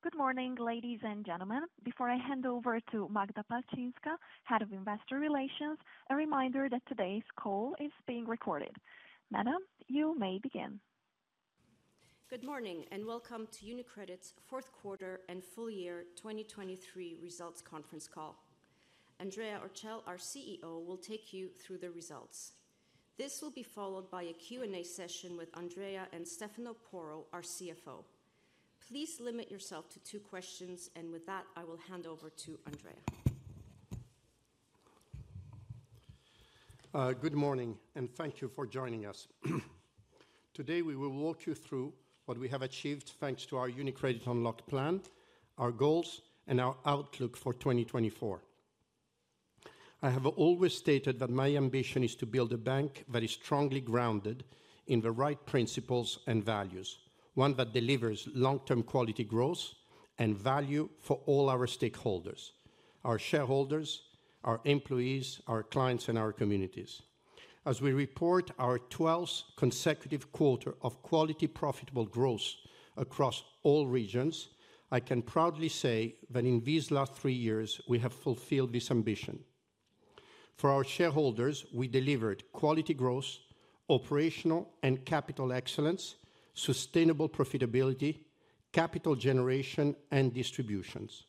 Good morning, ladies and gentlemen. Before I hand over to Magda Palczynska, Head of Investor Relations, a reminder that today's call is being recorded. Madam, you may begin. Good morning, and welcome to UniCredit's Fourth Quarter and Full Year 2023 Results Conference Call. Andrea Orcel, our CEO, will take you through the results. This will be followed by a Q&A session with Andrea and Stefano Porro, our CFO. Please limit yourself to two questions, and with that, I will hand over to Andrea. Good morning, and thank you for joining us. Today we will walk you through what we have achieved, thanks to our UniCredit Unlocked plan, our goals, and our outlook for 2024. I have always stated that my ambition is to build a bank that is strongly grounded in the right principles and values, one that delivers long-term quality growth and value for all our stakeholders, our shareholders, our employees, our clients, and our communities. As we report our 12th consecutive quarter of quality, profitable growth across all regions, I can proudly say that in these last three years, we have fulfilled this ambition. For our shareholders, we delivered quality growth, operational and capital excellence, sustainable profitability, capital generation and distributions,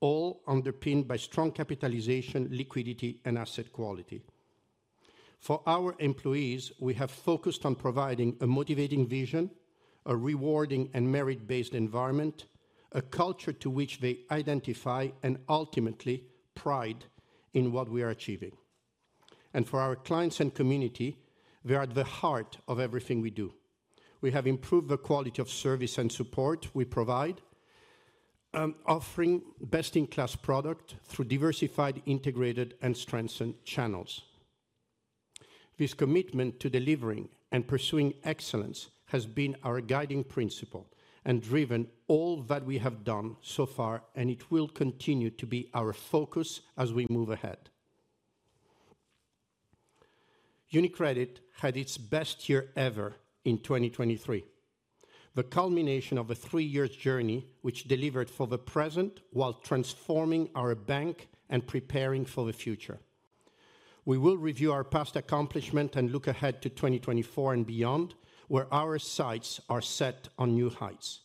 all underpinned by strong capitalization, liquidity, and asset quality. For our employees, we have focused on providing a motivating vision, a rewarding and merit-based environment, a culture to which they identify, and ultimately pride in what we are achieving. For our clients and community, they are at the heart of everything we do. We have improved the quality of service and support we provide, offering best-in-class product through diversified, integrated, and strengthened channels. This commitment to delivering and pursuing excellence has been our guiding principle and driven all that we have done so far, and it will continue to be our focus as we move ahead. UniCredit had its best year ever in 2023. The culmination of a three-year journey, which delivered for the present while transforming our bank and preparing for the future. We will review our past accomplishment and look ahead to 2024 and beyond, where our sights are set on new heights.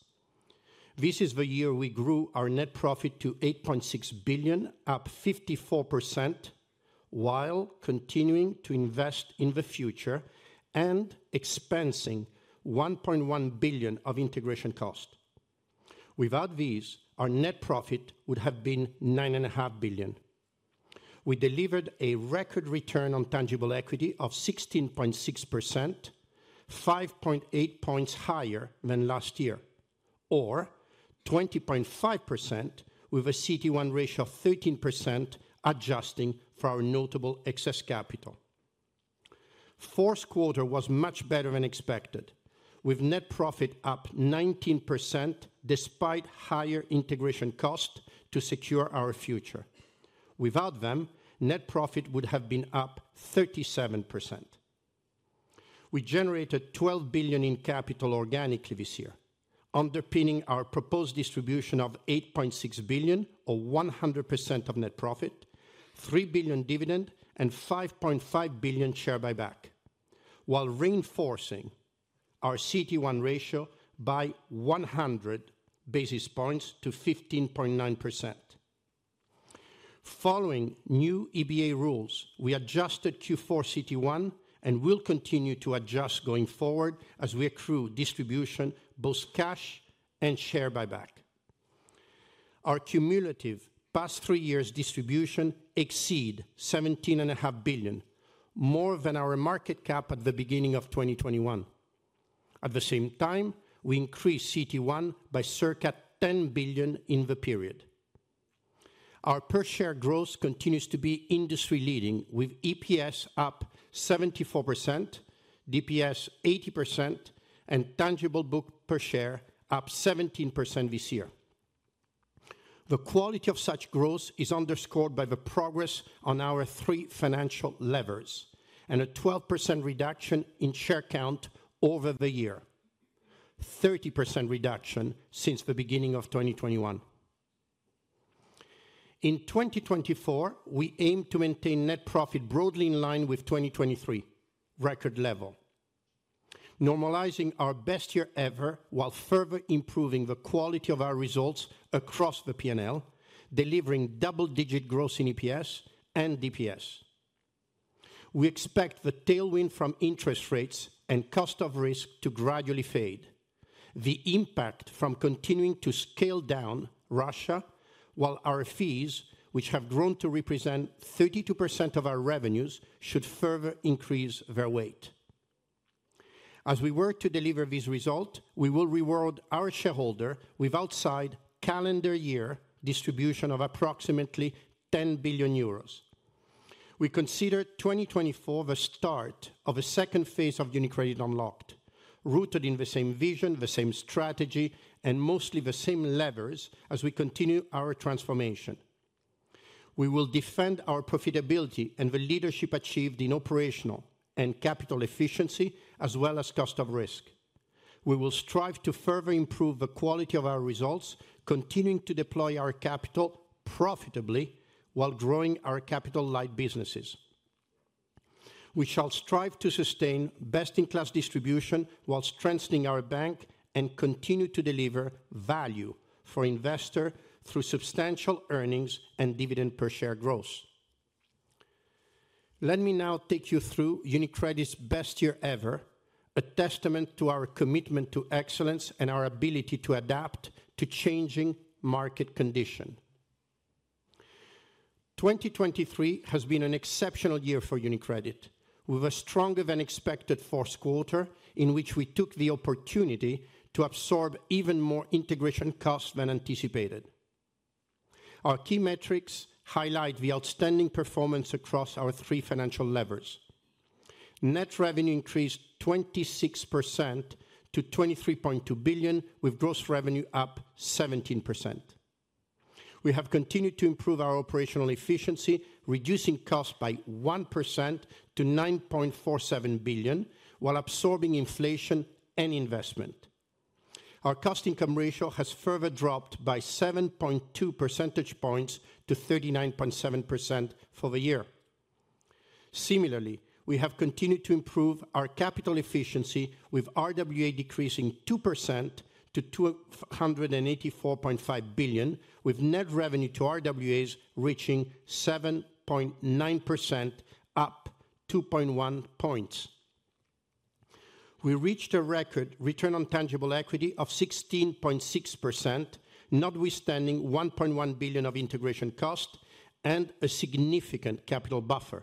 This is the year we grew our net profit to 8.6 billion, up 54%, while continuing to invest in the future and expensing 1.1 billion of integration cost. Without this, our net profit would have been 9.5 billion. We delivered a record return on tangible equity of 16.6%, 5.8 points higher than last year, or 20.5%, with a CET1 ratio of 13%, adjusting for our notable excess capital. Fourth quarter was much better than expected, with net profit up 19% despite higher integration cost to secure our future. Without them, net profit would have been up 37%. We generated 12 billion in capital organically this year, underpinning our proposed distribution of 8.6 billion, or 100% of net profit, 3 billion dividend and 5.5 billion share buyback, while reinforcing our CET1 ratio by 100 basis points to 15.9%. Following new EBA rules, we adjusted Q4 CET1 and will continue to adjust going forward as we accrue distribution, both cash and share buyback. Our cumulative past three years distribution exceed 17.5 billion, more than our market cap at the beginning of 2021. At the same time, we increased CET1 by circa 10 billion in the period. Our per share growth continues to be industry-leading, with EPS up 74%, DPS 80%, and tangible book per share up 17% this year. The quality of such growth is underscored by the progress on our three financial levers and a 12% reduction in share count over the year. 30% reduction since the beginning of 2021. In 2024, we aim to maintain net profit broadly in line with 2023 record level, normalizing our best year ever while further improving the quality of our results across the P&L, delivering double-digit growth in EPS and DPS. We expect the tailwind from interest rates and cost of risk to gradually fade, the impact from continuing to scale down Russia, while our fees, which have grown to represent 32% of our revenues, should further increase their weight. As we work to deliver this result, we will reward our shareholder with outside calendar year distribution of approximately 10 billion euros. We consider 2024 the start of a phase II of UniCredit Unlocked, rooted in the same vision, the same strategy, and mostly the same levers as we continue our transformation.... We will defend our profitability and the leadership achieved in operational and capital efficiency, as well as cost of risk. We will strive to further improve the quality of our results, continuing to deploy our capital profitably while growing our capital light businesses. We shall strive to sustain best-in-class distribution while strengthening our bank and continue to deliver value for investor through substantial earnings and dividend per share growth. Let me now take you through UniCredit's best year ever, a testament to our commitment to excellence and our ability to adapt to changing market condition. 2023 has been an exceptional year for UniCredit, with a stronger than expected fourth quarter, in which we took the opportunity to absorb even more integration costs than anticipated. Our key metrics highlight the outstanding performance across our three financial levers. Net revenue increased 26% to 23.2 billion, with gross revenue up 17%. We have continued to improve our operational efficiency, reducing costs by 1% to 9.47 billion, while absorbing inflation and investment. Our cost-income ratio has further dropped by 7.2 percentage points to 39.7% for the year. Similarly, we have continued to improve our capital efficiency with RWA decreasing 2% to 284.5 billion, with net revenue to RWAs reaching 7.9%, up 2.1 points. We reached a record return on tangible equity of 16.6%, notwithstanding 1.1 billion of integration cost and a significant capital buffer.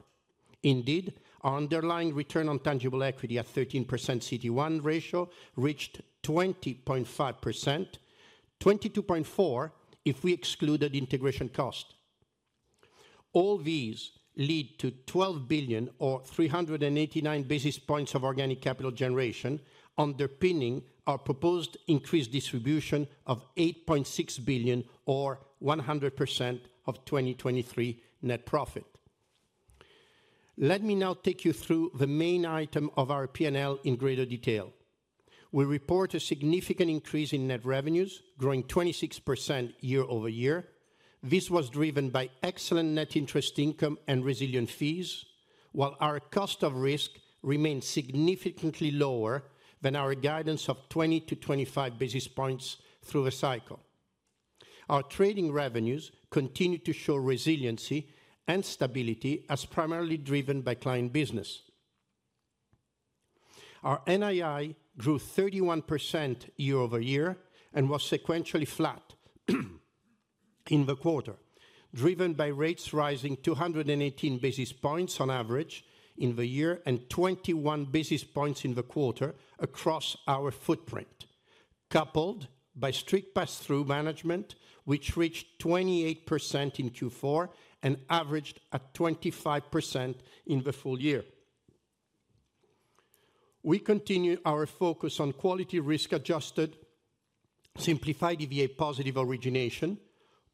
Indeed, our underlying return on tangible equity at 13% CET1 ratio reached 20.5%, 22.4, if we excluded integration cost. All these lead to 12 billion or 389 basis points of organic capital generation, underpinning our proposed increased distribution of 8.6 billion, or 100% of 2023 net profit. Let me now take you through the main item of our P&L in greater detail. We report a significant increase in net revenues, growing 26% year-over-year. This was driven by excellent net interest income and resilient fees, while our cost of risk remains significantly lower than our guidance of 20-25 basis points through the cycle. Our trading revenues continue to show resiliency and stability as primarily driven by client business. Our NII grew 31% year-over-year and was sequentially flat in the quarter, driven by rates rising 218 basis points on average in the year and 21 basis points in the quarter across our footprint, coupled by strict pass-through management, which reached 28% in Q4 and averaged at 25% in the full year. We continue our focus on quality risk-adjusted, simplified EVA positive origination,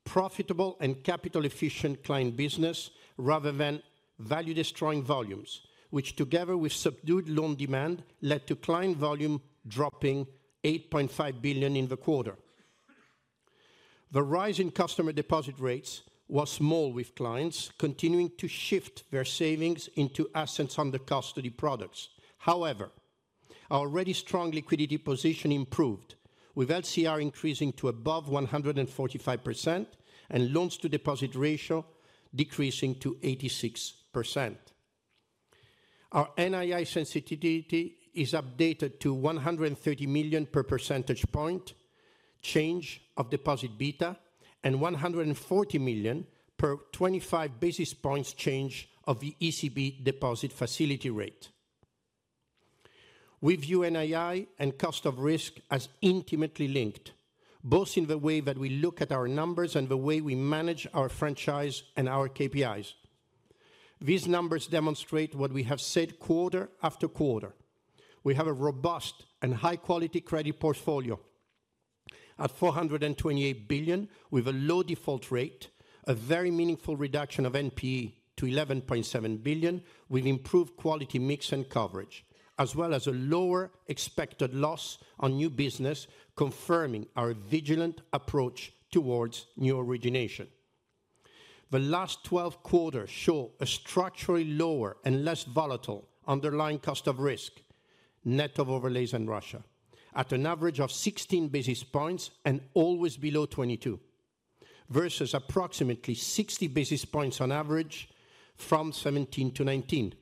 profitable and capital-efficient client business rather than value-destroying volumes, which together with subdued loan demand, led to client volume dropping 8.5 billion in the quarter. The rise in customer deposit rates was small, with clients continuing to shift their savings into assets under custody products. However, our already strong liquidity position improved, with LCR increasing to above 145% and loans to deposit ratio decreasing to 86%. Our NII sensitivity is updated to 130 million per percentage point change of deposit beta, and 140 million per 25 basis points change of the ECB deposit facility rate. We view NII and cost of risk as intimately linked, both in the way that we look at our numbers and the way we manage our franchise and our KPIs. These numbers demonstrate what we have said quarter after quarter. We have a robust and high-quality credit portfolio at 428 billion, with a low default rate, a very meaningful reduction of NPE to 11.7 billion, with improved quality mix and coverage, as well as a lower expected loss on new business, confirming our vigilant approach towards new origination. The last 12 quarters show a structurally lower and less volatile underlying cost of risk, net of overlays in Russia, at an average of 16 basis points and always below 22, versus approximately 60 basis points on average from 2017 to 2019.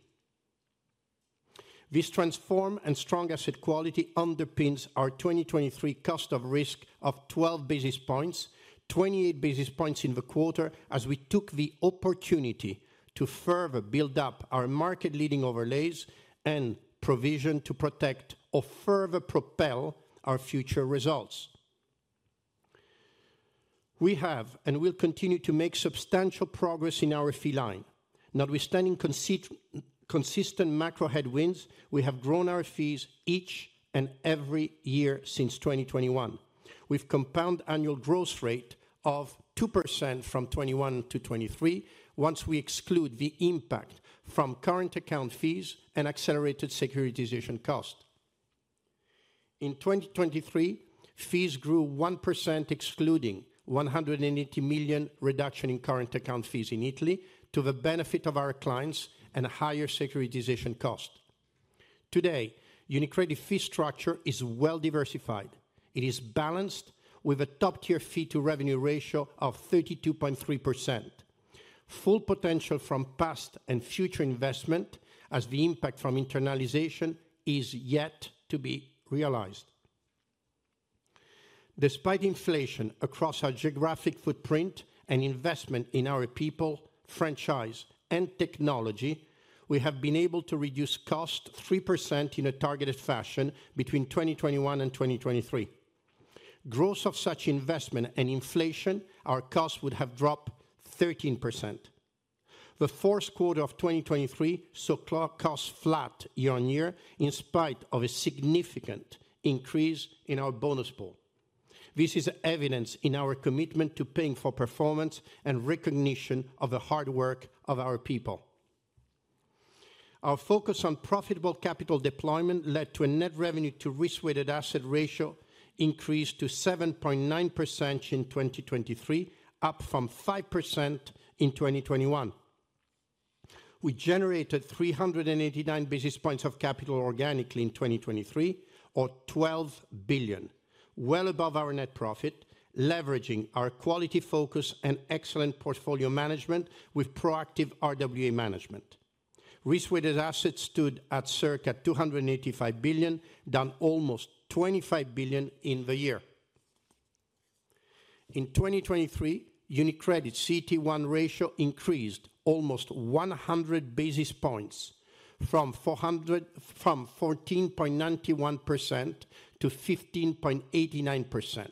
This transformation and strong asset quality underpins our 2023 cost of risk of 12 basis points, 28 basis points in the quarter as we took the opportunity to further build up our market-leading overlays and provision to protect or further propel our future results. We have and will continue to make substantial progress in our fee line. Notwithstanding consistent macro headwinds, we have grown our fees each and every year since 2021. With compound annual growth rate of 2% from 2021 to 2023, once we exclude the impact from current account fees and accelerated securitization cost. In 2023, fees grew 1%, excluding 180 million reduction in current account fees in Italy, to the benefit of our clients and a higher securitization cost. Today, UniCredit fee structure is well diversified. It is balanced with a top-tier fee-to-revenue ratio of 32.3%. Full potential from past and future investment as the impact from internalization is yet to be realized. Despite inflation across our geographic footprint and investment in our people, franchise, and technology, we have been able to reduce cost 3% in a targeted fashion between 2021 and 2023. Growth of such investment and inflation, our costs would have dropped 13%. The fourth quarter of 2023 saw costs flat year-on-year, in spite of a significant increase in our bonus pool. This is evidence in our commitment to paying for performance and recognition of the hard work of our people. Our focus on profitable capital deployment led to a net revenue to risk-weighted asset ratio increase to 7.9% in 2023, up from 5% in 2021. We generated 389 basis points of capital organically in 2023 or 12 billion, well above our net profit, leveraging our quality focus and excellent portfolio management with proactive RWA management. Risk-weighted assets stood at circa 285 billion, down almost 25 billion in the year. In 2023, UniCredit CET1 ratio increased almost 100 basis points from 400, from 14.91% to 15.89%,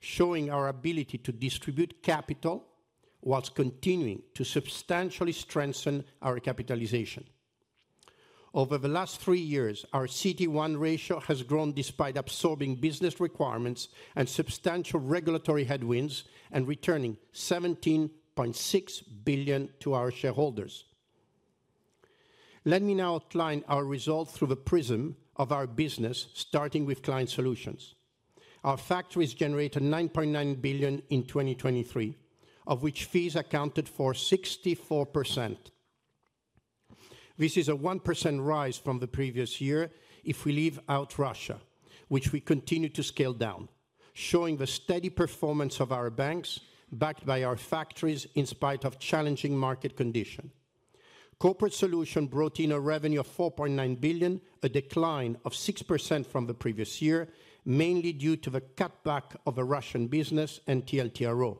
showing our ability to distribute capital while continuing to substantially strengthen our capitalization. Over the last three years, our CET1 ratio has grown despite absorbing business requirements and substantial regulatory headwinds and returning 17.6 billion to our shareholders. Let me now outline our results through the prism of our business, starting with Client Solutions. Our factories generated 9.9 billion in 2023, of which fees accounted for 64%. This is a 1% rise from the previous year if we leave out Russia, which we continue to scale down, showing the steady performance of our banks, backed by our factories in spite of challenging market condition. Corporate Solutions brought in a revenue of 4.9 billion, a decline of 6% from the previous year, mainly due to the cutback of the Russian business and TLTRO,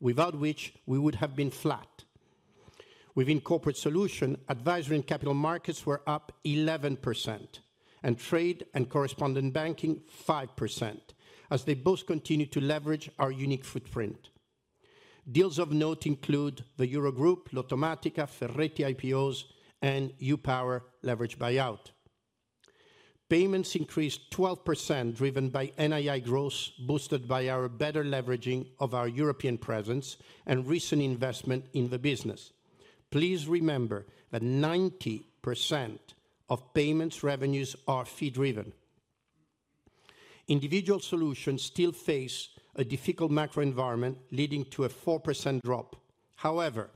without which we would have been flat. Within Corporate Solutions, advisory and capital markets were up 11%, and trade and correspondent banking, 5%, as they both continued to leverage our unique footprint. Deals of note include the EuroGroup, Lottomatica, Ferretti IPOs, and U-Power leveraged buyout. Payments increased 12%, driven by NII growth, boosted by our better leveraging of our European presence and recent investment in the business. Please remember that 90% of payments revenues are fee-driven. Individual Solutions still face a difficult macro environment, leading to a 4% drop. However,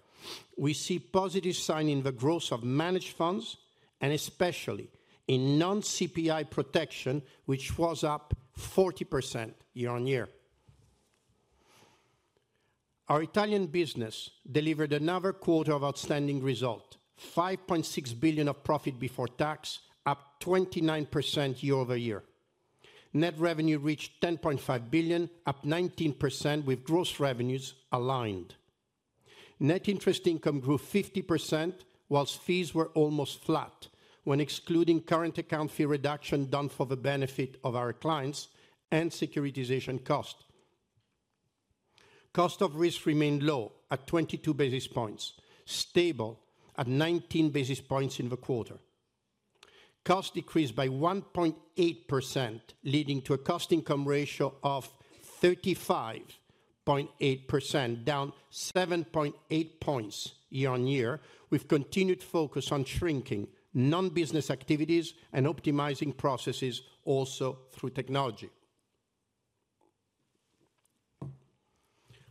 we see positive sign in the growth of managed funds and especially in non-CPI protection, which was up 40% year-over-year. Our Italian business delivered another quarter of outstanding result, 5.6 billion of profit before tax, up 29% year-over-year. Net revenue reached 10.5 billion, up 19%, with gross revenues aligned. Net interest income grew 50%, while fees were almost flat when excluding current account fee reduction done for the benefit of our clients and securitization cost. Cost of risk remained low at 22 basis points, stable at 19 basis points in the quarter. Cost decreased by 1.8%, leading to a cost income ratio of 35.8%, down 7.8 points year-over-year. We've continued focus on shrinking non-business activities and optimizing processes also through technology.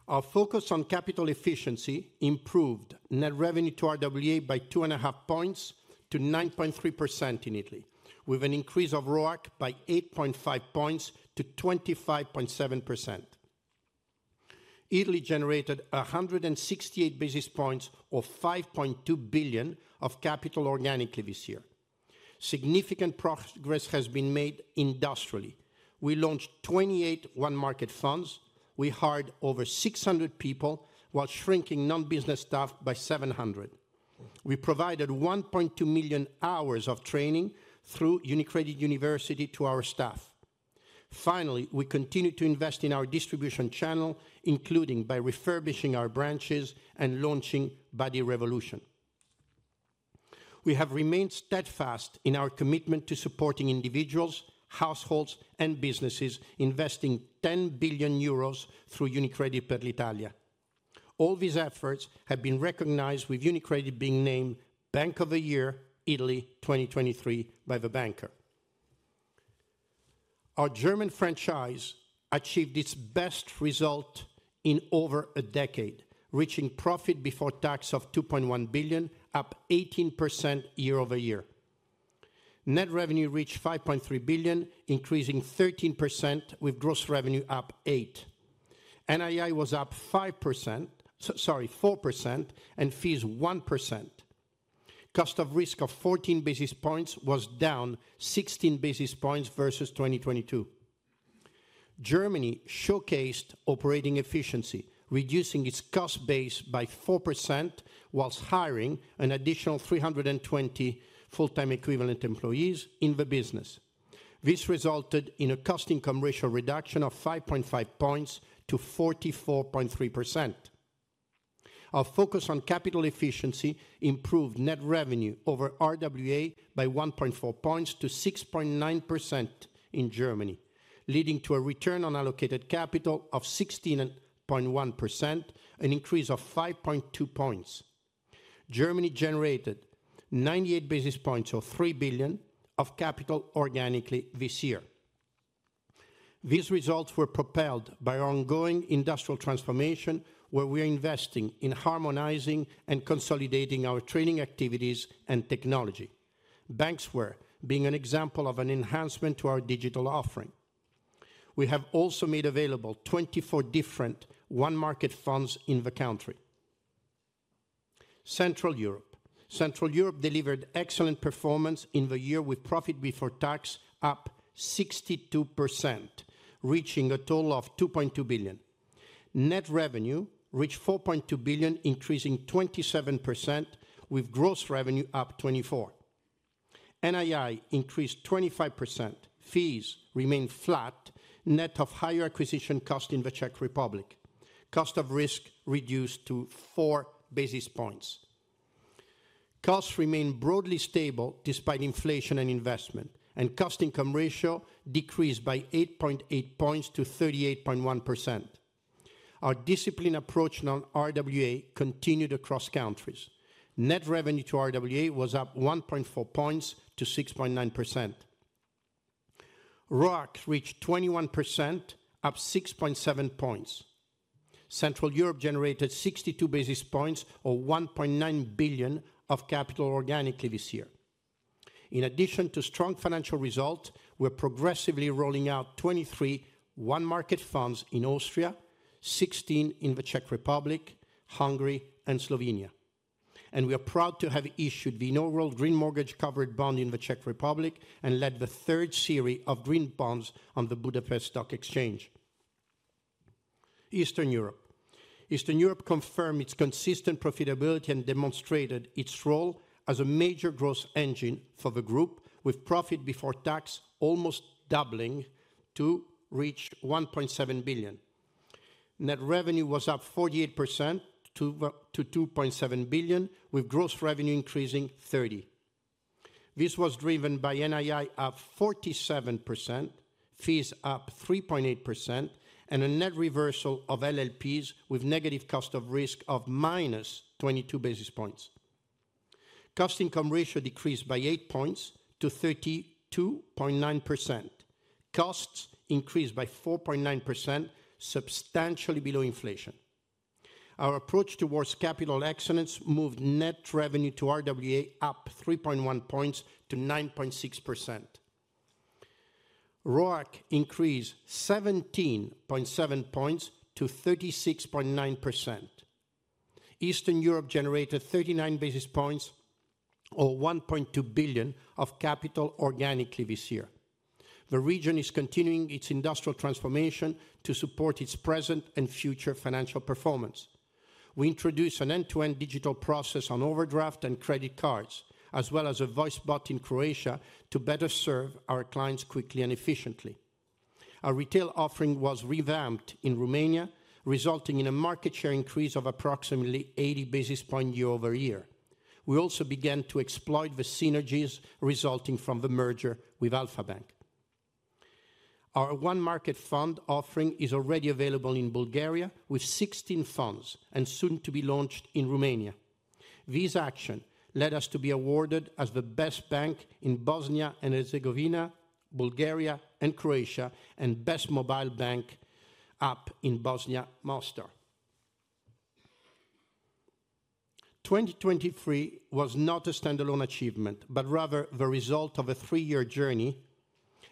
Our focus on capital efficiency improved net revenue to RWA by 2.5 points to 9.3% in Italy, with an increase of ROAC by 8.5 points to 25.7%. Italy generated 168 basis points, or 5.2 billion of capital organically this year. Significant progress has been made industrially. We launched 28 onemarket funds. We hired over 600 people while shrinking non-business staff by 700. We provided 1.2 million hours of training through UniCredit University to our staff... Finally, we continue to invest in our distribution channel, including by refurbishing our branches and launching buddy R-Evolution. We have remained steadfast in our commitment to supporting individuals, households, and businesses, investing 10 billion euros through UniCredit per l'Italia. All these efforts have been recognized with UniCredit being named Bank of the Year Italy 2023 by The Banker. Our German franchise achieved its best result in over a decade, reaching profit before tax of 2.1 billion, up 18% year-over-year. Net revenue reached 5.3 billion, increasing 13%, with gross revenue up 8%. NII was up 5%, sorry, 4%, and fees 1%. Cost of risk of 14 basis points was down 16 basis points versus 2022. Germany showcased operating efficiency, reducing its cost base by 4% while hiring an additional 320 full-time equivalent employees in the business. This resulted in a cost-income ratio reduction of 5.5 points to 44.3%. Our focus on capital efficiency improved net revenue over RWA by 1.4 points to 6.9% in Germany, leading to a return on allocated capital of 16.1%, an increase of 5.2 points. Germany generated 98 basis points, or 3 billion, of capital organically this year. These results were propelled by our ongoing industrial transformation, where we are investing in harmonizing and consolidating our training activities and technology. Banxware being an example of an enhancement to our digital offering. We have also made available 24 different onemarket funds in the country. Central Europe. Central Europe delivered excellent performance in the year, with profit before tax up 62%, reaching a total of 2.2 billion. Net revenue reached 4.2 billion, increasing 27%, with gross revenue up 24. NII increased 25%. Fees remained flat, net of higher acquisition cost in the Czech Republic. Cost of risk reduced to 4 basis points. Costs remained broadly stable despite inflation and investment, and cost-income ratio decreased by 8.8 points to 38.1%. Our disciplined approach on RWA continued across countries. Net revenue to RWA was up 1.4 points to 6.9%. ROAC reached 21%, up 6.7 points. Central Europe generated 62 basis points or 1.9 billion of capital organically this year. In addition to strong financial results, we're progressively rolling out 23 onemarket funds in Austria, 16 in the Czech Republic, Hungary, and Slovenia. We are proud to have issued the inaugural green mortgage covered bond in the Czech Republic and led the third series of green bonds on the Budapest Stock Exchange. Eastern Europe. Eastern Europe confirmed its consistent profitability and demonstrated its role as a major growth engine for the group, with profit before tax almost doubling to reach 1.7 billion. Net revenue was up 48% to two point seven billion, with gross revenue increasing 30%. This was driven by NII up 47%, fees up 3.8%, and a net reversal of LLPs with negative cost of risk of -22 basis points. Cost-income ratio decreased by 8 points to 32.9%. Costs increased by 4.9%, substantially below inflation. Our approach towards capital excellence moved net revenue to RWA up 3.1 points to 9.6%. ROAC increased 17.7 points to 36.9%. Eastern Europe generated 39 basis points or 1.2 billion of capital organically this year. The region is continuing its industrial transformation to support its present and future financial performance. We introduced an end-to-end digital process on overdraft and credit cards, as well as a voice bot in Croatia to better serve our clients quickly and efficiently. Our retail offering was revamped in Romania, resulting in a market share increase of approximately 80 basis points year-over-year. We also began to exploit the synergies resulting from the merger with Alpha Bank. Our onemarket fund offering is already available in Bulgaria, with 16 funds and soon to be launched in Romania. This action led us to be awarded as the best bank in Bosnia and Herzegovina, Bulgaria and Croatia, and Best Mobile Bank App in Bosnia, Mostar. 2023 was not a standalone achievement, but rather the result of a three-year journey.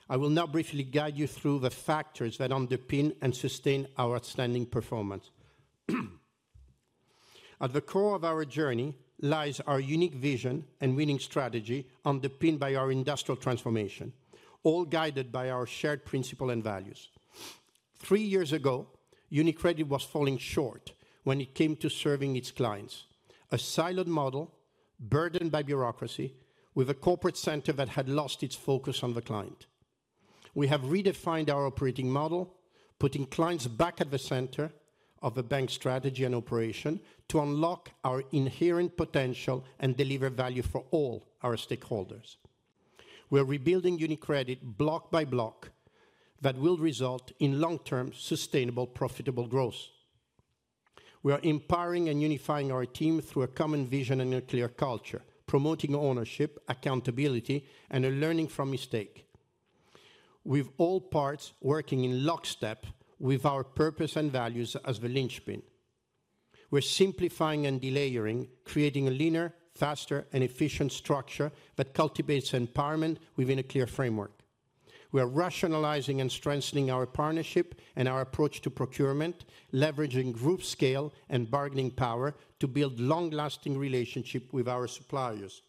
I will now briefly guide you through the factors that underpin and sustain our outstanding performance. At the core of our journey lies our unique vision and winning strategy, underpinned by our industrial transformation, all guided by our shared principles and values... Three years ago, UniCredit was falling short when it came to serving its clients. A siloed model, burdened by bureaucracy, with a corporate center that had lost its focus on the client. We have redefined our operating model, putting clients back at the center of the bank's strategy and operation to unlock our inherent potential and deliver value for all our stakeholders. We are rebuilding UniCredit block by block that will result in long-term, sustainable, profitable growth. We are empowering and unifying our team through a common vision and a clear culture, promoting ownership, accountability, and learning from mistakes. With all parts working in lockstep with our purpose and values as the linchpin. We're simplifying and delayering, creating a leaner, faster, and efficient structure that cultivates empowerment within a clear framework. We are rationalizing and strengthening our partnership and our approach to procurement, leveraging group scale and bargaining power to build long-lasting relationship with our suppliers.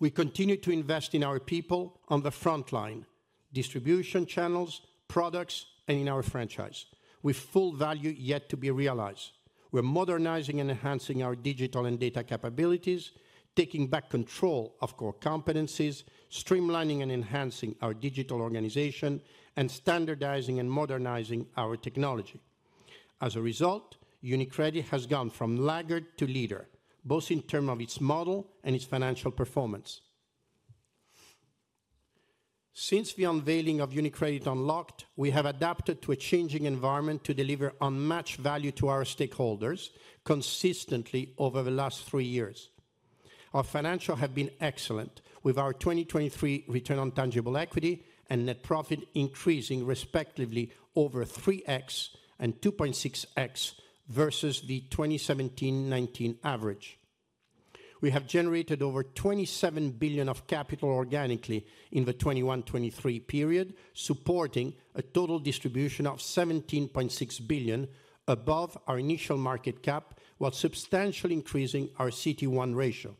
We continue to invest in our people on the frontline, distribution channels, products, and in our franchise, with full value yet to be realized. We're modernizing and enhancing our digital and data capabilities, taking back control of core competencies, streamlining and enhancing our digital organization, and standardizing and modernizing our technology. As a result, UniCredit has gone from laggard to leader, both in terms of its model and its financial performance. Since the unveiling of UniCredit Unlocked, we have adapted to a changing environment to deliver unmatched value to our stakeholders consistently over the last three years. Our financials have been excellent, with our 2023 return on tangible equity and net profit increasing respectively over 3x and 2.6x versus the 2017-2019 average. We have generated over 27 billion of capital organically in the 2021-2023 period, supporting a total distribution of 17.6 billion above our initial market cap, while substantially increasing our CET1 ratio.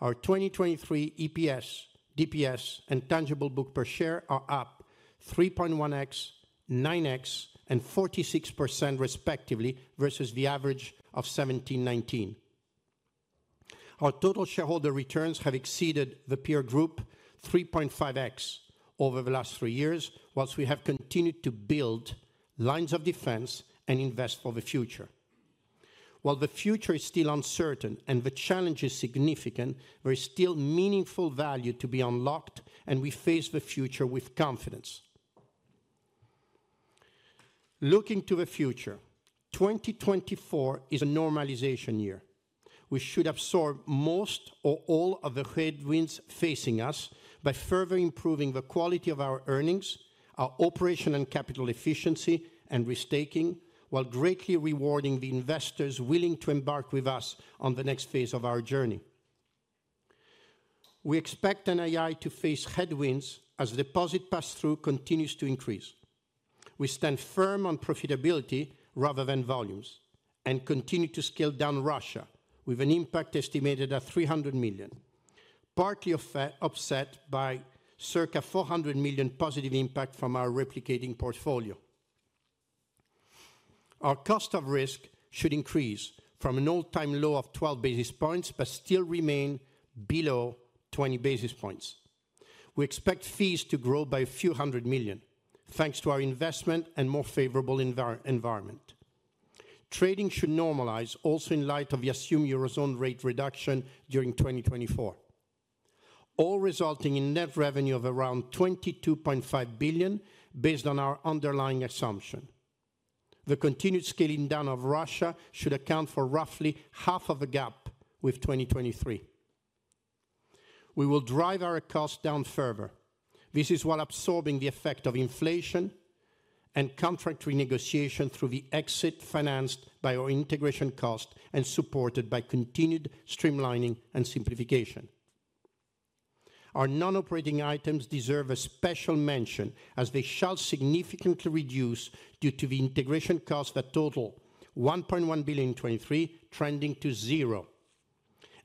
Our 2023 EPS, DPS, and tangible book per share are up 3.1x, 9x, and 46% respectively, versus the average of 2017-2019. Our total shareholder returns have exceeded the peer group 3.5x over the last three years, while we have continued to build lines of defense and invest for the future. While the future is still uncertain and the challenge is significant, there is still meaningful value to be unlocked, and we face the future with confidence. Looking to the future, 2024 is a normalization year. We should absorb most or all of the headwinds facing us by further improving the quality of our earnings, our operation and capital efficiency, and restaking, while greatly rewarding the investors willing to embark with us on the next phase of our journey. We expect NII to face headwinds as deposit pass-through continues to increase. We stand firm on profitability rather than volumes, and continue to scale down Russia, with an impact estimated at 300 million, partly offset by circa 400 million positive impact from our replicating portfolio. Our cost of risk should increase from an all-time low of 12 basis points, but still remain below 20 basis points. We expect fees to grow by a few hundred million, thanks to our investment and more favorable environment. Trading should normalize also in light of the assumed Eurozone rate reduction during 2024. All resulting in net revenue of around 22.5 billion, based on our underlying assumption. The continued scaling down of Russia should account for roughly half of the gap with 2023. We will drive our costs down further. This is while absorbing the effect of inflation and contract renegotiation through the exit financed by our integration cost and supported by continued streamlining and simplification. Our non-operating items deserve a special mention, as they shall significantly reduce due to the integration costs that total 1.1 billion in 2023, trending to zero,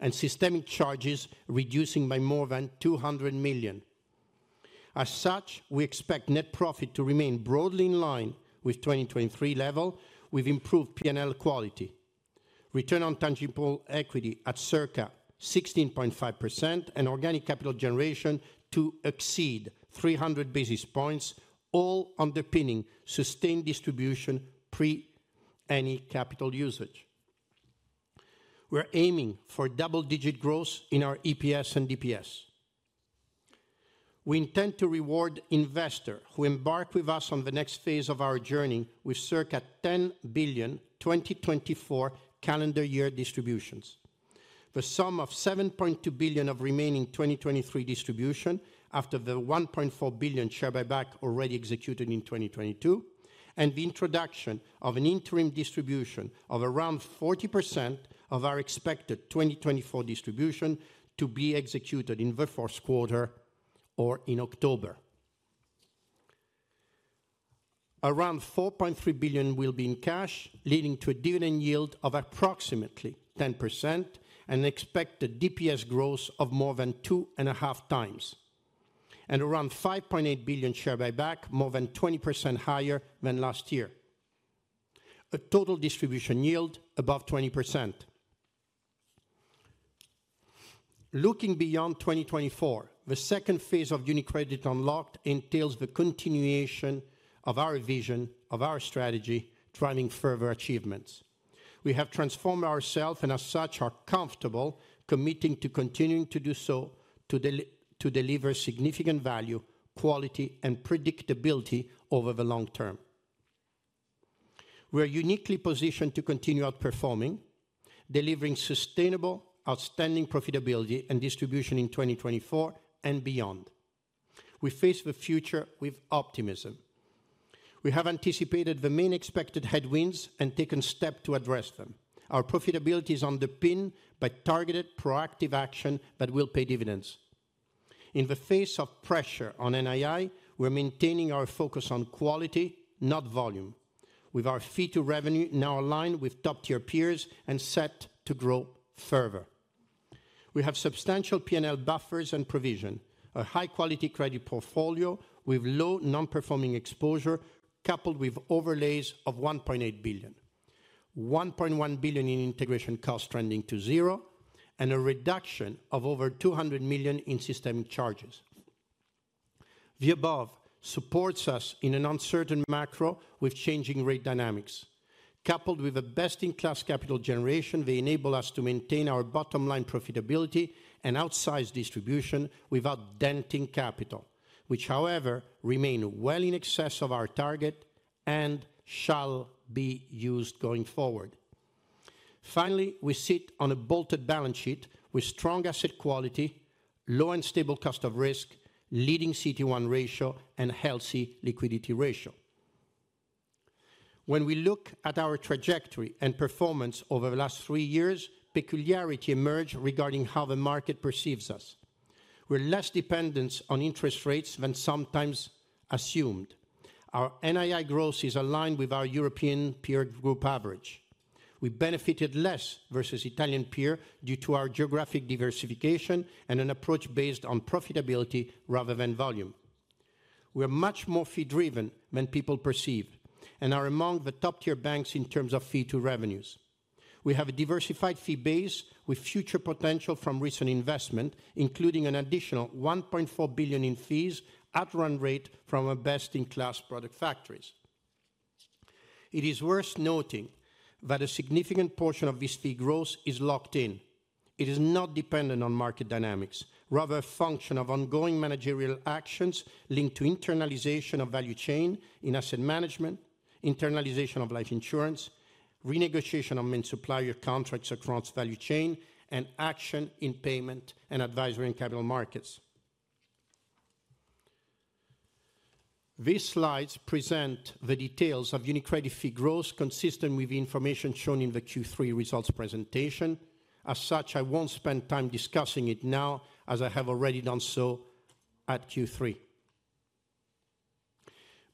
and systemic charges reducing by more than 200 million. As such, we expect net profit to remain broadly in line with 2023 level, with improved P&L quality, return on tangible equity at circa 16.5%, and organic capital generation to exceed 300 basis points, all underpinning sustained distribution pre any capital usage. We're aiming for double-digit growth in our EPS and DPS. We intend to reward investor who embark with us on the next phase of our journey with circa 10 billion 2024 calendar year distributions. The sum of 7.2 billion of remaining 2023 distribution, after the 1.4 billion share buyback already executed in 2022, and the introduction of an interim distribution of around 40% of our expected 2024 distribution to be executed in the first quarter or in October. Around 4.3 billion will be in cash, leading to a dividend yield of approximately 10% and expect a DPS growth of more than 2.5x. Around 5.8 billion share buyback, more than 20% higher than last year. A total distribution yield above 20%. Looking beyond 2024, the phase II of UniCredit Unlocked entails the continuation of our vision, of our strategy, driving further achievements. We have transformed ourself and as such, are comfortable committing to continuing to do so, to deliver significant value, quality and predictability over the long term. We are uniquely positioned to continue outperforming, delivering sustainable, outstanding profitability and distribution in 2024 and beyond. We face the future with optimism. We have anticipated the main expected headwinds and taken steps to address them. Our profitability is underpinned by targeted, proactive action that will pay dividends. In the face of pressure on NII, we're maintaining our focus on quality, not volume, with our fee to revenue now aligned with top-tier peers and set to grow further. We have substantial P&L buffers and provision, a high quality credit portfolio with low non-performing exposure, coupled with overlays of 1.8 billion. 1.1 billion in integration costs trending to zero, and a reduction of over 200 million in systemic charges. The above supports us in an uncertain macro with changing rate dynamics. Coupled with the best-in-class capital generation, they enable us to maintain our bottom line profitability and outsized distribution without denting capital, which, however, remain well in excess of our target and shall be used going forward. Finally, we sit on a bolted balance sheet with strong asset quality, low and stable cost of risk, leading CET1 ratio, and healthy liquidity ratio. When we look at our trajectory and performance over the last three years, peculiarities emerge regarding how the market perceives us. We're less dependent on interest rates than sometimes assumed. Our NII growth is aligned with our European peer group average. We benefited less versus Italian peer due to our geographic diversification and an approach based on profitability rather than volume. We are much more fee driven than people perceive and are among the top-tier banks in terms of fee to revenues. We have a diversified fee base with future potential from recent investment, including an additional 1.4 billion in fees at run rate from our best-in-class product factories. It is worth noting that a significant portion of this fee growth is locked in. It is not dependent on market dynamics, rather a function of ongoing managerial actions linked to internalization of value chain in asset management, internalization of life insurance, renegotiation of main supplier contracts across value chain, and action in payment and advisory in capital markets. These slides present the details of UniCredit fee growth, consistent with the information shown in the Q3 results presentation. As such, I won't spend time discussing it now, as I have already done so at Q3.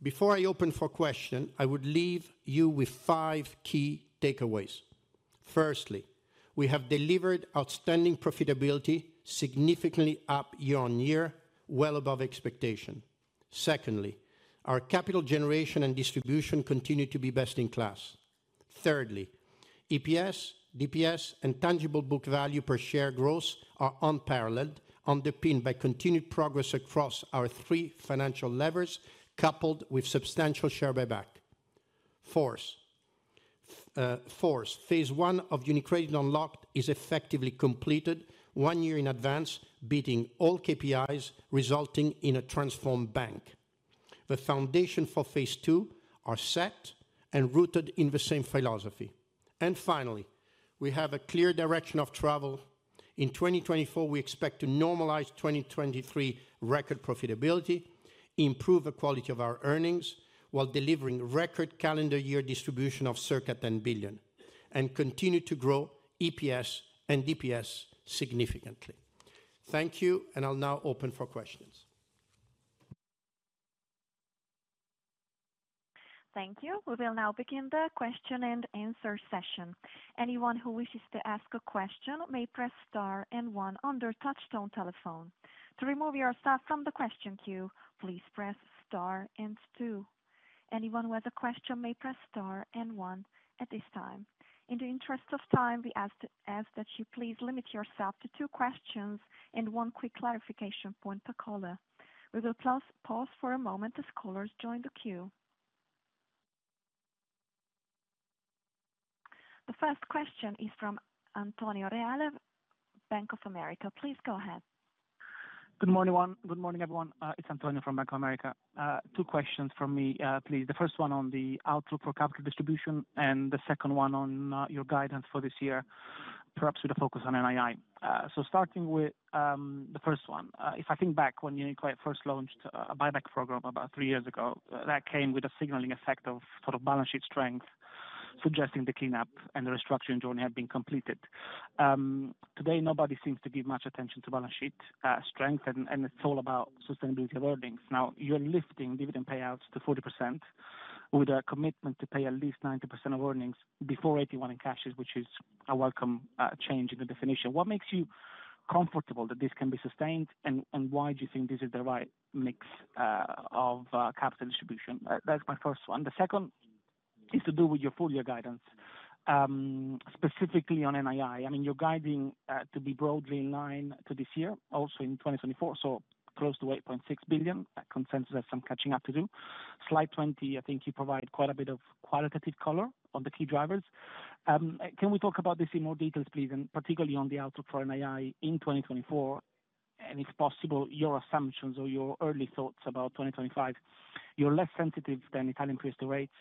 Before I open for question, I would leave you with five key takeaways. Firstly, we have delivered outstanding profitability significantly up year-on-year, well above expectation. Secondly, our capital generation and distribution continue to be best in class. Thirdly, EPS, DPS and tangible book value per share growth are unparalleled, underpinned by continued progress across our three financial levers, coupled with substantial share buyback. Fourth, phase I of UniCredit Unlocked is effectively completed one year in advance, beating all KPIs, resulting in a transformed bank. The foundation for phase II are set and rooted in the same philosophy. And finally, we have a clear direction of travel. In 2024, we expect to normalize 2023 record profitability, improve the quality of our earnings, while delivering record calendar year distribution of circa 10 billion, and continue to grow EPS and DPS significantly. Thank you, and I'll now open for questions. Thank you. We will now begin the question and answer session. Anyone who wishes to ask a question may press star and one on their touchtone telephone. To remove yourself from the question queue, please press star and two. Anyone with a question may press star and one at this time. In the interest of time, we ask that you please limit yourself to two questions and one quick clarification point per caller. We will pause for a moment as callers join the queue. The first question is from Antonio Reale, Bank of America. Please go ahead. Good morning, one. Good morning, everyone, it's Antonio from Bank of America. Two questions from me, please. The first one on the outlook for capital distribution and the second one on your guidance for this year, perhaps with a focus on NII. So starting with the first one. If I think back when UniCredit first launched a buyback program about three years ago, that came with a signaling effect of sort of balance sheet strength, suggesting the cleanup and the restructuring journey have been completed. Today, nobody seems to give much attention to balance sheet strength, and it's all about sustainability of earnings. Now, you're lifting dividend payouts to 40% with a commitment to pay at least 90% of earnings before AT1 and caches, which is a welcome change in the definition. What makes you comfortable that this can be sustained, and why do you think this is the right mix of capital distribution? That's my first one. The second is to do with your full year guidance, specifically on NII. I mean, you're guiding to be broadly in line to this year, also in 2024, so close to 8.6 billion. That consensus has some catching up to do. Slide 20, I think you provide quite a bit of qualitative color on the key drivers. Can we talk about this in more details, please, and particularly on the outlook for NII in 2024, and if possible, your assumptions or your early thoughts about 2025? You're less sensitive than Italian crystal rates,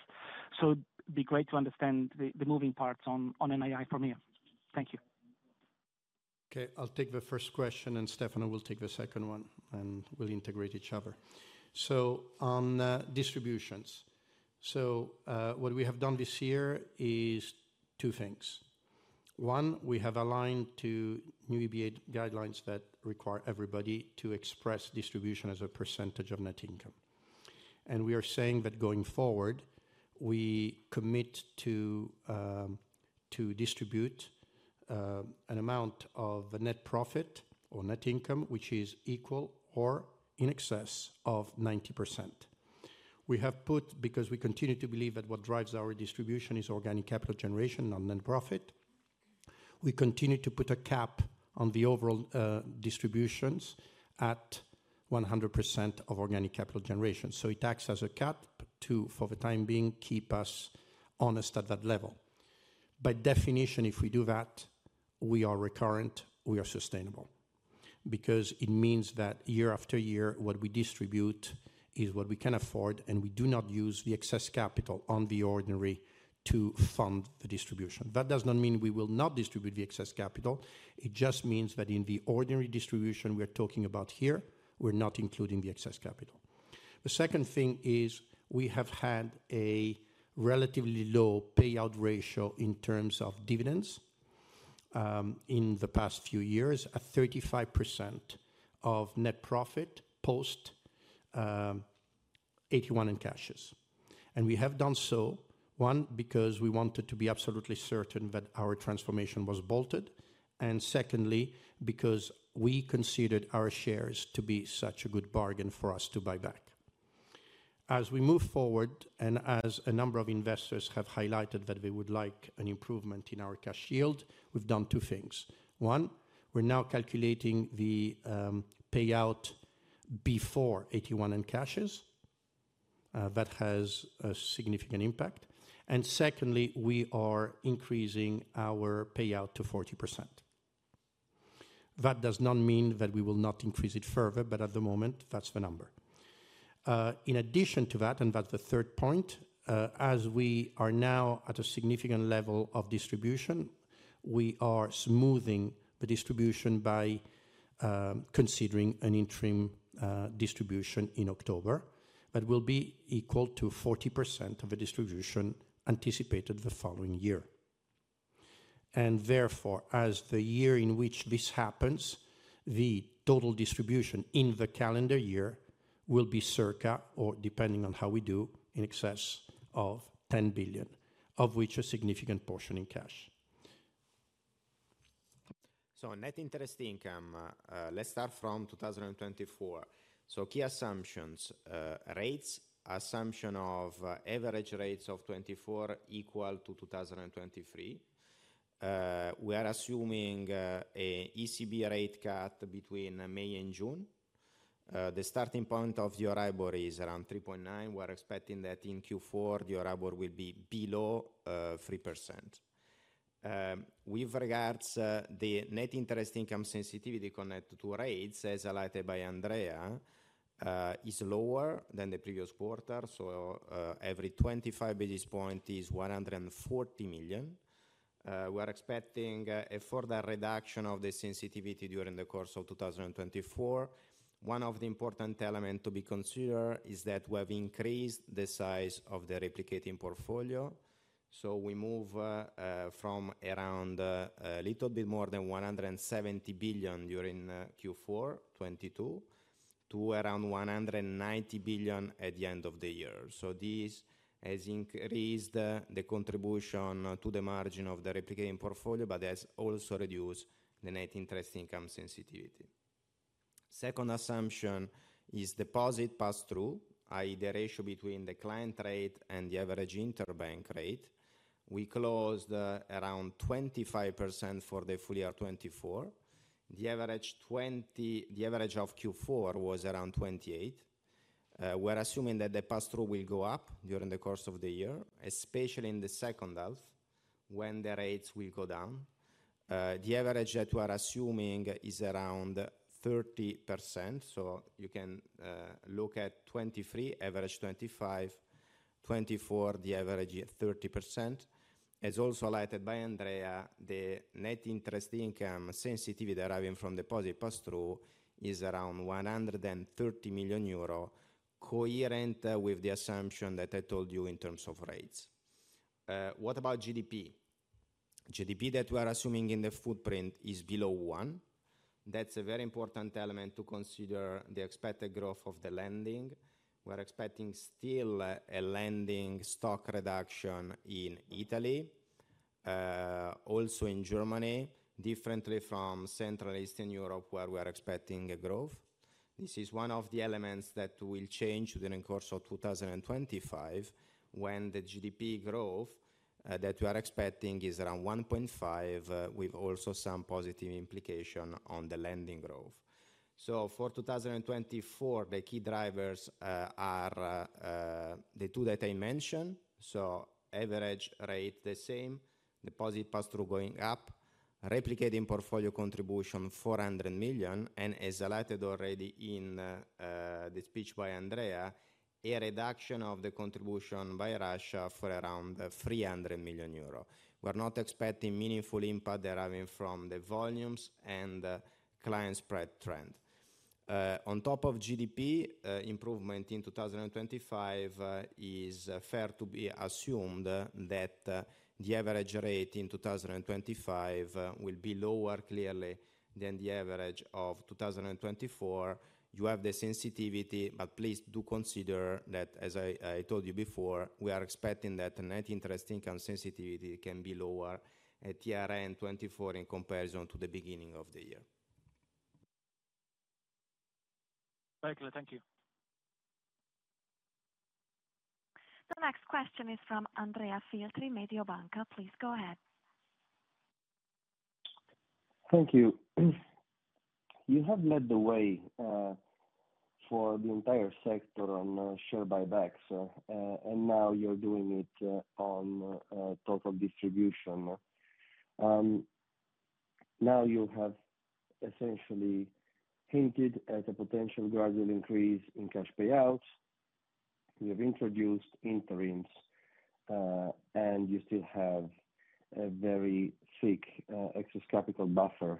so it'd be great to understand the moving parts on NII from you. Thank you. Okay, I'll take the first question, and Stefano will take the second one, and we'll integrate each other. So on distributions. So what we have done this year is two things. One, we have aligned to new EBA guidelines that require everybody to express distribution as a percentage of net income. And we are saying that going forward, we commit to to distribute an amount of the net profit or net income, which is equal or in excess of 90%. We have put, because we continue to believe that what drives our distribution is organic capital generation on net profit, we continue to put a cap on the overall distributions at 100% of organic capital generation. So it acts as a cap to, for the time being, keep us honest at that level. By definition, if we do that, we are recurrent, we are sustainable, because it means that year after year, what we distribute is what we can afford, and we do not use the excess capital on the ordinary to fund the distribution. That does not mean we will not distribute the excess capital. It just means that in the ordinary distribution we are talking about here, we're not including the excess capital. The second thing is we have had a relatively low payout ratio in terms of dividends in the past few years, at 35% of net profit post AT1 and cash. And we have done so, one, because we wanted to be absolutely certain that our transformation was bolted, and secondly, because we considered our shares to be such a good bargain for us to buy back. As we move forward, and as a number of investors have highlighted that they would like an improvement in our cash yield, we've done two things. One, we're now calculating the payout before AT1 and cash. That has a significant impact. And secondly, we are increasing our payout to 40%. That does not mean that we will not increase it further, but at the moment, that's the number. In addition to that, and that's the third point, as we are now at a significant level of distribution, we are smoothing the distribution by considering an interim distribution in October, that will be equal to 40% of the distribution anticipated the following year. And therefore, as the year in which this happens, the total distribution in the calendar year will be circa, or depending on how we do, in excess of 10 billion, of which a significant portion in cash. So net interest income, let's start from 2024. Key assumptions, rates, assumption of average rates of 2024 equal to 2023. We are assuming a ECB rate cut between May and June. The starting point of the Euribor is around 3.9. We're expecting that in Q4, the Euribor will be below 3%. With regards the net interest income sensitivity connected to rates, as highlighted by Andrea, is lower than the previous quarter. So every 25 basis point is 140 million. We are expecting a further reduction of the sensitivity during the course of 2024. One of the important element to be considered is that we have increased the size of the replicating portfolio. So we move from around a little bit more than 170 billion during Q4 2022, to around 190 billion at the end of the year. So this has increased the contribution to the margin of the replicating portfolio, but has also reduced the net interest income sensitivity. Second assumption is deposit pass-through, i.e., the ratio between the client rate and the average interbank rate. We closed around 25% for the full year 2024. The average of Q4 was around 28%. We're assuming that the pass-through will go up during the course of the year, especially in the second half, when the rates will go down. The average that we are assuming is around 30%. So you can look at 2023, average 25%, 2024, the average is 30%. As also highlighted by Andrea, the net interest income sensitivity deriving from deposit pass-through is around 130 million euro, coherent with the assumption that I told you in terms of rates. What about GDP? GDP that we are assuming in the footprint is below one. That's a very important element to consider the expected growth of the lending. We're expecting still a lending stock reduction in Italy, also in Germany, differently from Central Eastern Europe, where we are expecting a growth. This is one of the elements that will change during course of 2025, when the GDP growth that we are expecting is around 1.5, with also some positive implication on the lending growth. So for 2024, the key drivers are the two that I mentioned. So average rate, the same, deposit pass-through going up, replicating portfolio contribution 400 million, and as highlighted already in the speech by Andrea, a reduction of the contribution by Russia for around 300 million euro. We're not expecting meaningful impact deriving from the volumes and client spread trend. On top of GDP improvement in 2025, it is fair to be assumed that the average rate in 2025 will be lower, clearly, than the average of 2024. You have the sensitivity, but please do consider that, as I told you before, we are expecting that net interest income sensitivity can be lower at year-end 2024 in comparison to the beginning of the year. Very clear. Thank you. The next question is from Andrea Filtri, Mediobanca. Please, go ahead. Thank you. You have led the way for the entire sector on share buybacks, and now you're doing it on total distribution. Now you have essentially hinted at a potential gradual increase in cash payouts. You have introduced interims, and you still have a very thick excess capital buffer.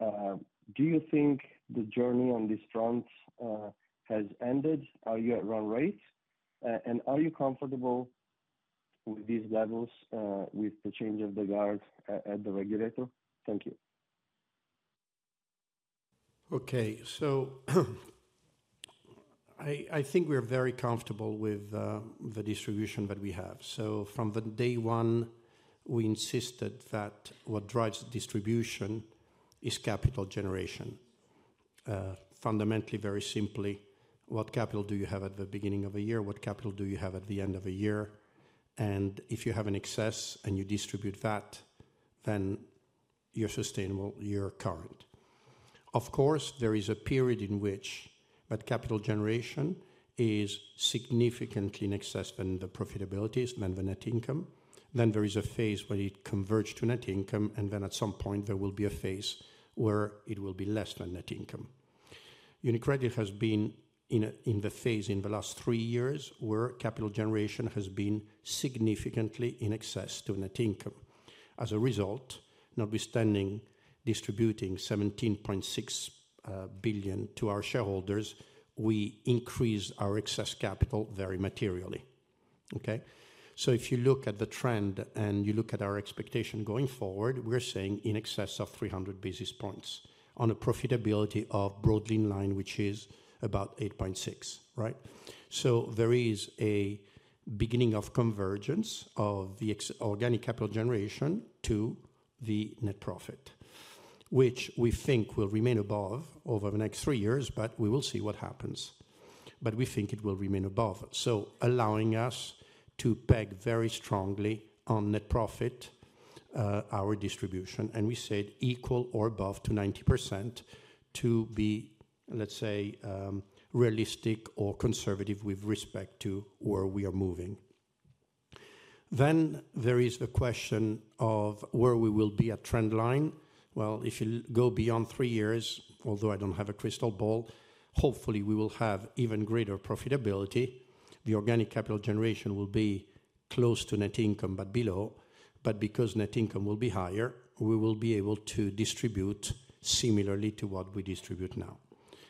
Do you think the journey on this front has ended? Are you at run rate? And are you comfortable with these levels with the change of the guard at the regulator? Thank you. Okay. So, I think we're very comfortable with the distribution that we have. So from the day one, we insisted that what drives distribution is capital generation. Fundamentally, very simply, what capital do you have at the beginning of a year? What capital do you have at the end of a year? And if you have an excess and you distribute that, then you're sustainable, you're current. Of course, there is a period in which that capital generation is significantly in excess than the profitability, than the net income. Then there is a phase where it converged to net income, and then at some point there will be a phase where it will be less than net income. UniCredit has been in the phase in the last three years, where capital generation has been significantly in excess to net income. As a result, notwithstanding distributing 17.6 billion to our shareholders, we increased our excess capital very materially. Okay? So if you look at the trend and you look at our expectation going forward, we're saying in excess of 300 basis points on a profitability of broadly in line, which is about 8.6, right? So there is a beginning of convergence of the ex-organic capital generation to the net profit, which we think will remain above over the next three years, but we will see what happens. But we think it will remain above, so allowing us to peg very strongly on net profit our distribution, and we said equal or above to 90% to be, let's say, realistic or conservative with respect to where we are moving. Then there is the question of where we will be at trend line. Well, if you go beyond three years, although I don't have a crystal ball, hopefully, we will have even greater profitability. The organic capital generation will be close to net income, but below. But because net income will be higher, we will be able to distribute similarly to what we distribute now.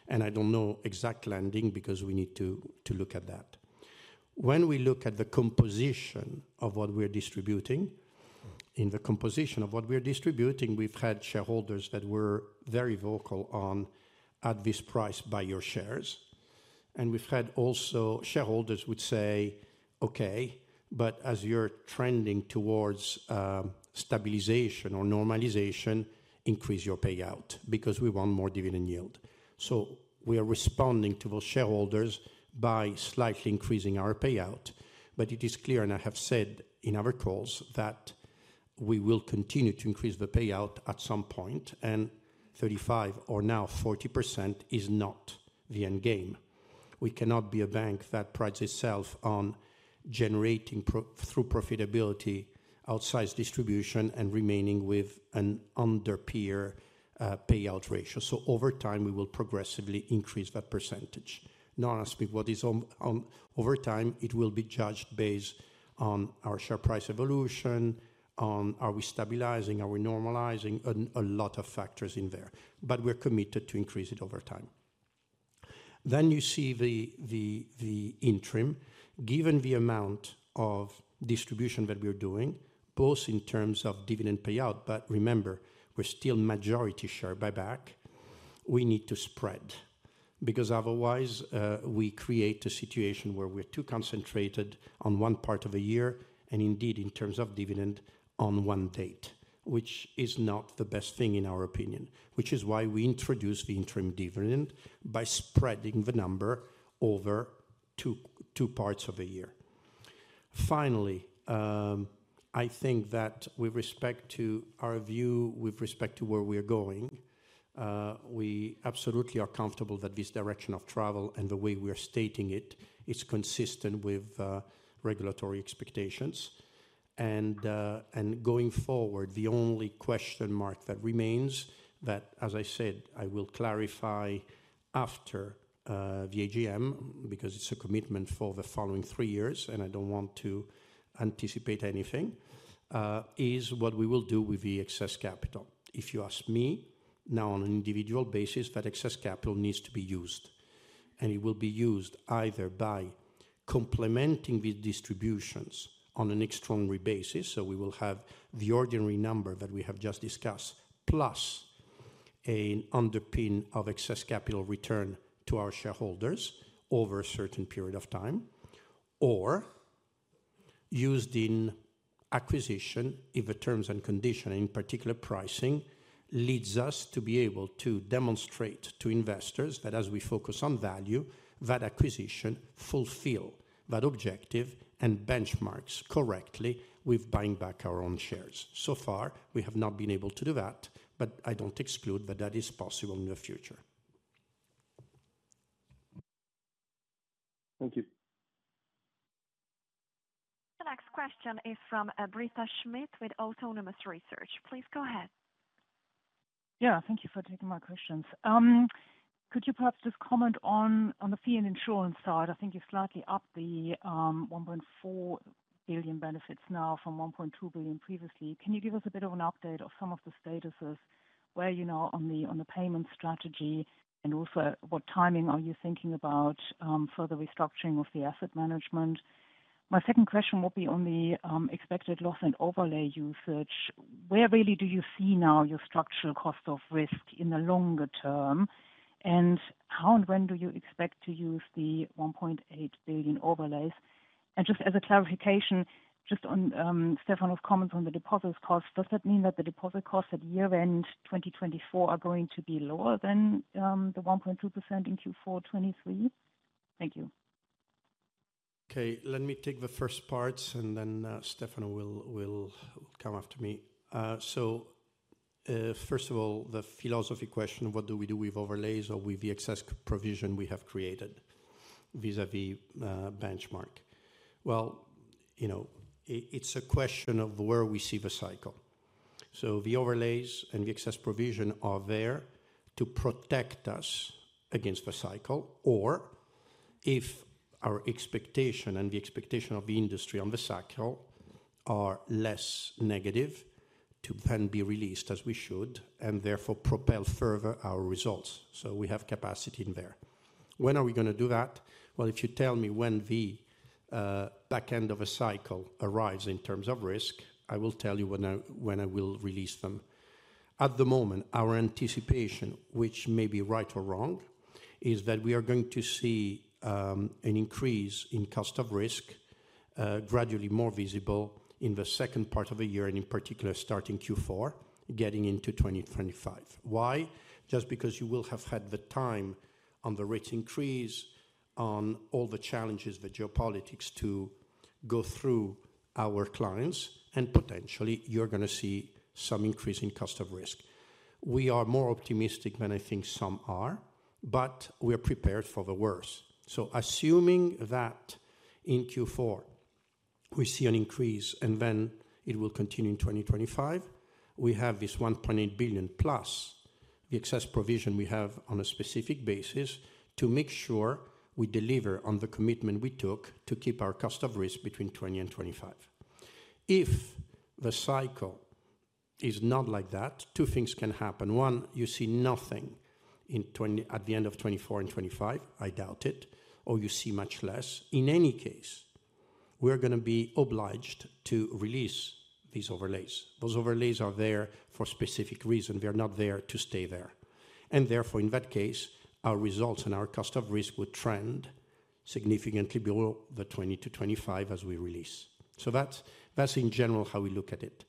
And I don't know exact landing, because we need to, to look at that. When we look at the composition of what we're distributing, in the composition of what we are distributing, we've had shareholders that were very vocal on, "At this price, buy your shares." And we've had also shareholders would say: "Okay, but as you're trending towards, stabilization or normalization, increase your payout, because we want more dividend yield." So we are responding to those shareholders by slightly increasing our payout. But it is clear, and I have said in other calls, that we will continue to increase the payout at some point, and 35% or now 40% is not the end game. We cannot be a bank that prides itself on generating profitability through outsized distribution, and remaining with an under-peer payout ratio. So over time, we will progressively increase that percentage. No one asked me what is on. Over time, it will be judged based on our share price evolution, on are we stabilizing, are we normalizing, and a lot of factors in there. But we're committed to increase it over time. Then you see the interim. Given the amount of distribution that we are doing, both in terms of dividend payout, but remember, we're still majority share buyback, we need to spread. Because otherwise, we create a situation where we're too concentrated on one part of a year, and indeed, in terms of dividend on one date, which is not the best thing in our opinion. Which is why we introduced the interim dividend by spreading the number over two parts of a year. Finally, I think that with respect to our view, with respect to where we are going, we absolutely are comfortable that this direction of travel and the way we are stating it, is consistent with regulatory expectations. And going forward, the only question mark that remains, as I said, I will clarify after the AGM, because it's a commitment for the following three years, and I don't want to anticipate anything, is what we will do with the excess capital. If you ask me, now on an individual basis, that excess capital needs to be used, and it will be used either by complementing the distributions on an extraordinary basis, so we will have the ordinary number that we have just discussed, plus an underpin of excess capital return to our shareholders over a certain period of time, or used in acquisition, if the terms and condition, in particular pricing, leads us to be able to demonstrate to investors that as we focus on value, that acquisition fulfill that objective and benchmarks correctly with buying back our own shares. So far, we have not been able to do that, but I don't exclude that that is possible in the future. Thank you. The next question is from, Britta Schmidt with Autonomous Research. Please go ahead. Yeah, thank you for taking my questions. Could you perhaps just comment on the fee and insurance side? I think you've slightly upped the 1.4 billion benefits now from 1.2 billion previously. Can you give us a bit of an update of some of the statuses, where you are on the payment strategy, and also what timing are you thinking about for the restructuring of the asset management? My second question will be on the expected loss and overlay usage. Where really do you see now your structural cost of risk in the longer term? And how and when do you expect to use the 1.8 billion overlays? Just as a clarification, just on Stefano's comment on the deposits cost, does that mean that the deposit costs at year-end 2024 are going to be lower than the 1.2% in Q4 2023? Thank you. Okay, let me take the first part, and then Stefano will come after me. So, first of all, the philosophy question: what do we do with overlays or with the excess provision we have created vis-à-vis benchmark? Well, you know, it's a question of where we see the cycle. So the overlays and the excess provision are there to protect us against the cycle, or if our expectation and the expectation of the industry on the cycle are less negative, to then be released as we should, and therefore propel further our results. So we have capacity in there. When are we going to do that? Well, if you tell me when the back end of a cycle arrives in terms of risk, I will tell you when I will release them. At the moment, our anticipation, which may be right or wrong, is that we are going to see an increase in Cost of Risk, gradually more visible in the second part of the year, and in particular, starting Q4, getting into 2025. Why? Just because you will have had the time on the rate increase, on all the challenges, the geopolitics, to go through our clients, and potentially you're going to see some increase in Cost of Risk. We are more optimistic than I think some are, but we are prepared for the worst. So assuming that in Q4 we see an increase and then it will continue in 2025, we have this 1.8 billion, plus the excess provision we have on a specific basis, to make sure we deliver on the commitment we took to keep our cost of risk between 20 and 25. If the cycle is not like that, two things can happen: One, you see nothing in 2024 at the end of 2024 and 2025, I doubt it, or you see much less. In any case, we're going to be obliged to release these overlays. Those overlays are there for specific reason. They are not there to stay there. And therefore, in that case, our results and our cost of risk would trend significantly below the 20-25 as we release. So that's, that's in general how we look at it.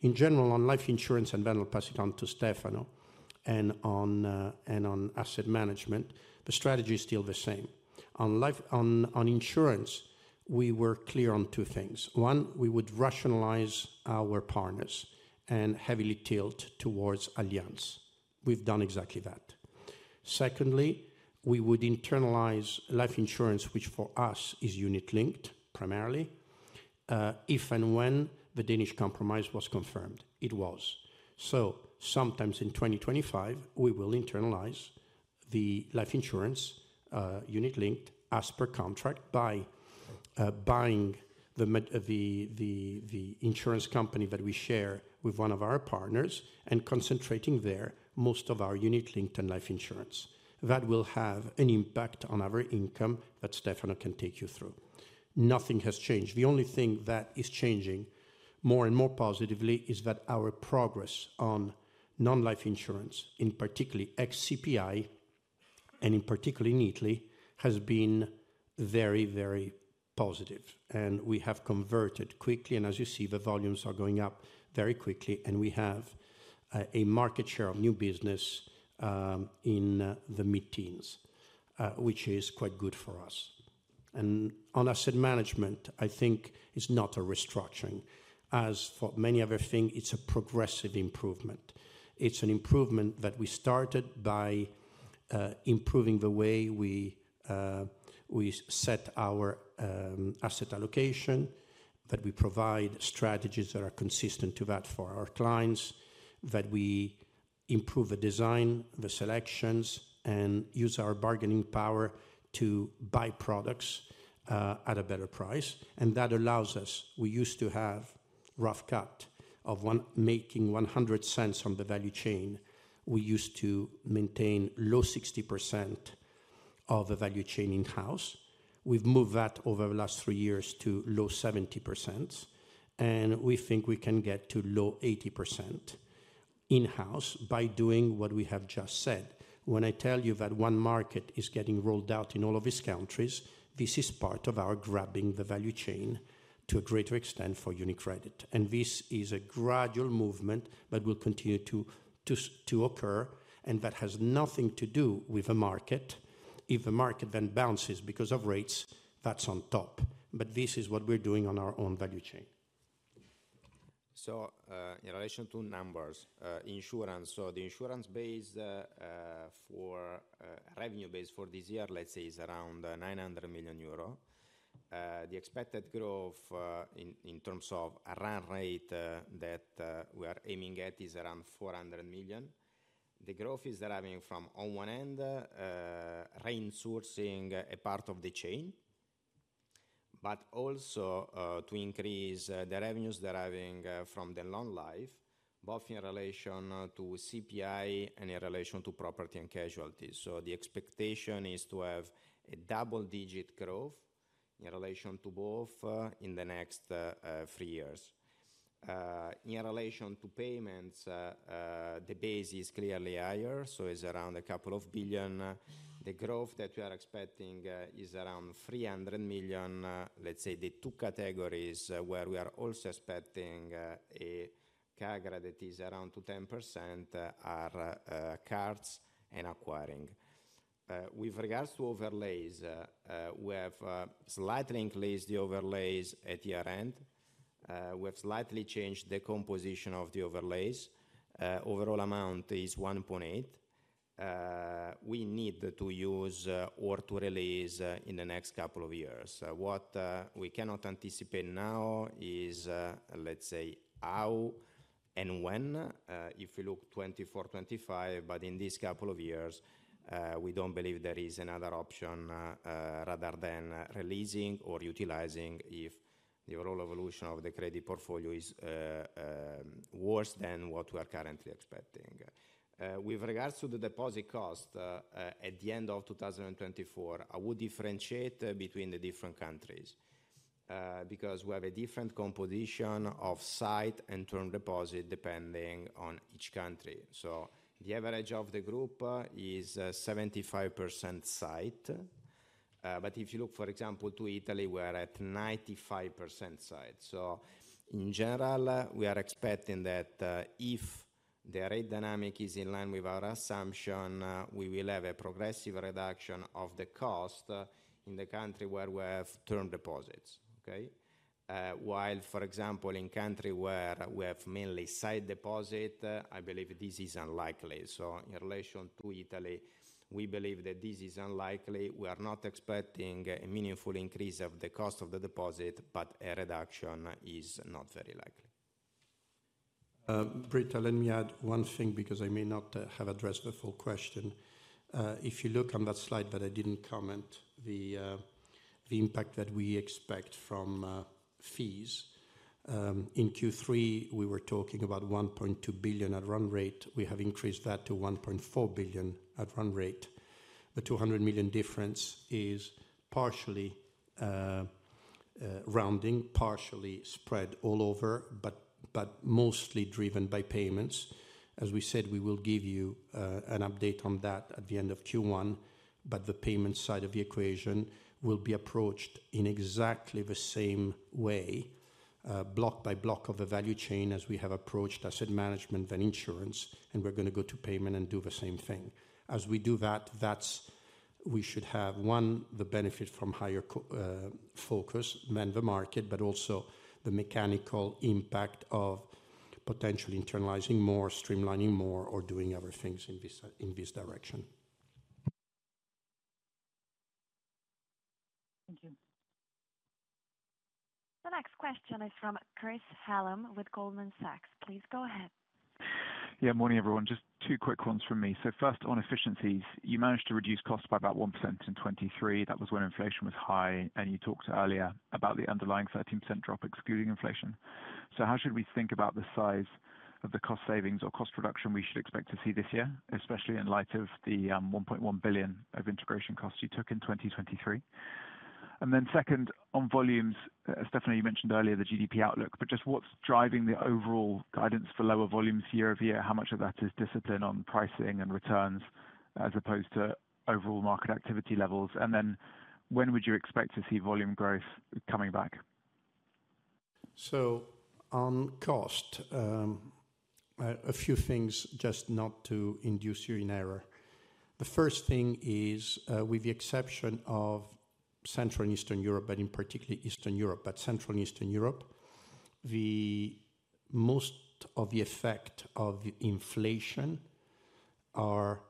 In general, on life insurance, and then I'll pass it on to Stefano, and on asset management, the strategy is still the same. On life insurance, we were clear on two things. One, we would rationalize our partners and heavily tilt towards Allianz. We've done exactly that. Secondly, we would internalize life insurance, which for us is unit-linked primarily, if and when the Danish Compromise was confirmed. It was. So sometime in 2025, we will internalize the life insurance, unit-linked as per contract by buying the insurance company that we share with one of our partners and concentrating there most of our UniCredit unit-linked and life insurance. That will have an impact on our income, that Stefano can take you through. Nothing has changed. The only thing that is changing more and more positively is that our progress on non-life insurance, in particularly ex-CPI and in particular in Italy, has been very, very positive, and we have converted quickly, and as you see, the volumes are going up very quickly, and we have a market share of new business in the mid-teens, which is quite good for us. And on asset management, I think it's not a restructuring. As for many other thing, it's a progressive improvement. It's an improvement that we started by improving the way we we set our asset allocation, that we provide strategies that are consistent to that for our clients, that we improve the design, the selections, and use our bargaining power to buy products at a better price, and that allows us... We used to have rough cut of one—making 100 cents on the value chain. We used to maintain low 60% of the value chain in-house. We've moved that over the last three years to low 70%, and we think we can get to low 80% in-house by doing what we have just said. When I tell you that onemarket is getting rolled out in all of these countries, this is part of our grabbing the value chain to a greater extent for UniCredit. And this is a gradual movement that will continue to occur, and that has nothing to do with the market. If the market then bounces because of rates, that's on top, but this is what we're doing on our own value chain. So, in relation to numbers, insurance. The insurance base for revenue base for this year, let's say, is around 900 million euro. The expected growth in terms of a run rate that we are aiming at is around 400 million. The growth is deriving from, on one end, reinsourcing a part of the chain, but also to increase the revenues deriving from the Non-Life, both in relation to CPI and in relation to Property and Casualty. So the expectation is to have a double-digit growth in relation to both in the next three years. In relation to payments, the base is clearly higher, so it's around 2 billion. The growth that we are expecting is around 300 million. Let's say the two categories where we are also expecting a CAGR that is around to 10% are cards and acquiring. With regards to overlays, we have slightly increased the overlays at year-end. We have slightly changed the composition of the overlays. Overall amount is 1.8 billion. We need to use or to release in the next couple of years. What we cannot anticipate now is, let's say, how and when, if you look 2024, 2025, but in this couple of years, we don't believe there is another option rather than releasing or utilizing if the overall evolution of the credit portfolio is worse than what we are currently expecting. With regards to the deposit cost, at the end of 2024, I would differentiate between the different countries, because we have a different composition of sight and term deposit depending on each country. So the average of the group is 75% sight. But if you look, for example, to Italy, we're at 95% sight. So in general, we are expecting that, if the rate dynamic is in line with our assumption, we will have a progressive reduction of the cost in the country where we have term deposits. Okay? While, for example, in country where we have mainly sight deposit, I believe this is unlikely. So in relation to Italy, we believe that this is unlikely. We are not expecting a meaningful increase of the cost of the deposit, but a reduction is not very likely. Britta, let me add one thing because I may not have addressed the full question. If you look on that slide that I didn't comment, the impact that we expect from fees. In Q3, we were talking about 1.2 billion at run rate. We have increased that to 1.4 billion at run rate. The 200 million difference is partially rounding, partially spread all over, but mostly driven by payments. As we said, we will give you an update on that at the end of Q1, but the payment side of the equation will be approached in exactly the same way, block by block of the value chain, as we have approached asset management then insurance, and we're gonna go to payment and do the same thing. As we do that, that's we should have, one, the benefit from higher cost focus than the market, but also the mechanical impact of potentially internalizing more, streamlining more, or doing other things in this direction. Thank you.... Question is from Chris Hallam with Goldman Sachs. Please go ahead. Yeah, morning, everyone. Just two quick ones from me. So first, on efficiencies, you managed to reduce costs by about 1% in 2023. That was when inflation was high, and you talked earlier about the underlying 13% drop, excluding inflation. So how should we think about the size of the cost savings or cost reduction we should expect to see this year, especially in light of the 1.1 billion of integration costs you took in 2023? And then second, on volumes, as Stefano, you mentioned earlier, the GDP outlook, but just what's driving the overall guidance for lower volumes year-over-year? How much of that is discipline on pricing and returns as opposed to overall market activity levels? And then when would you expect to see volume growth coming back? So on cost, a few things, just not to induce you in error. The first thing is, with the exception of Central and Eastern Europe, but in particularly Eastern Europe, but Central and Eastern Europe, the most of the effect of the inflation are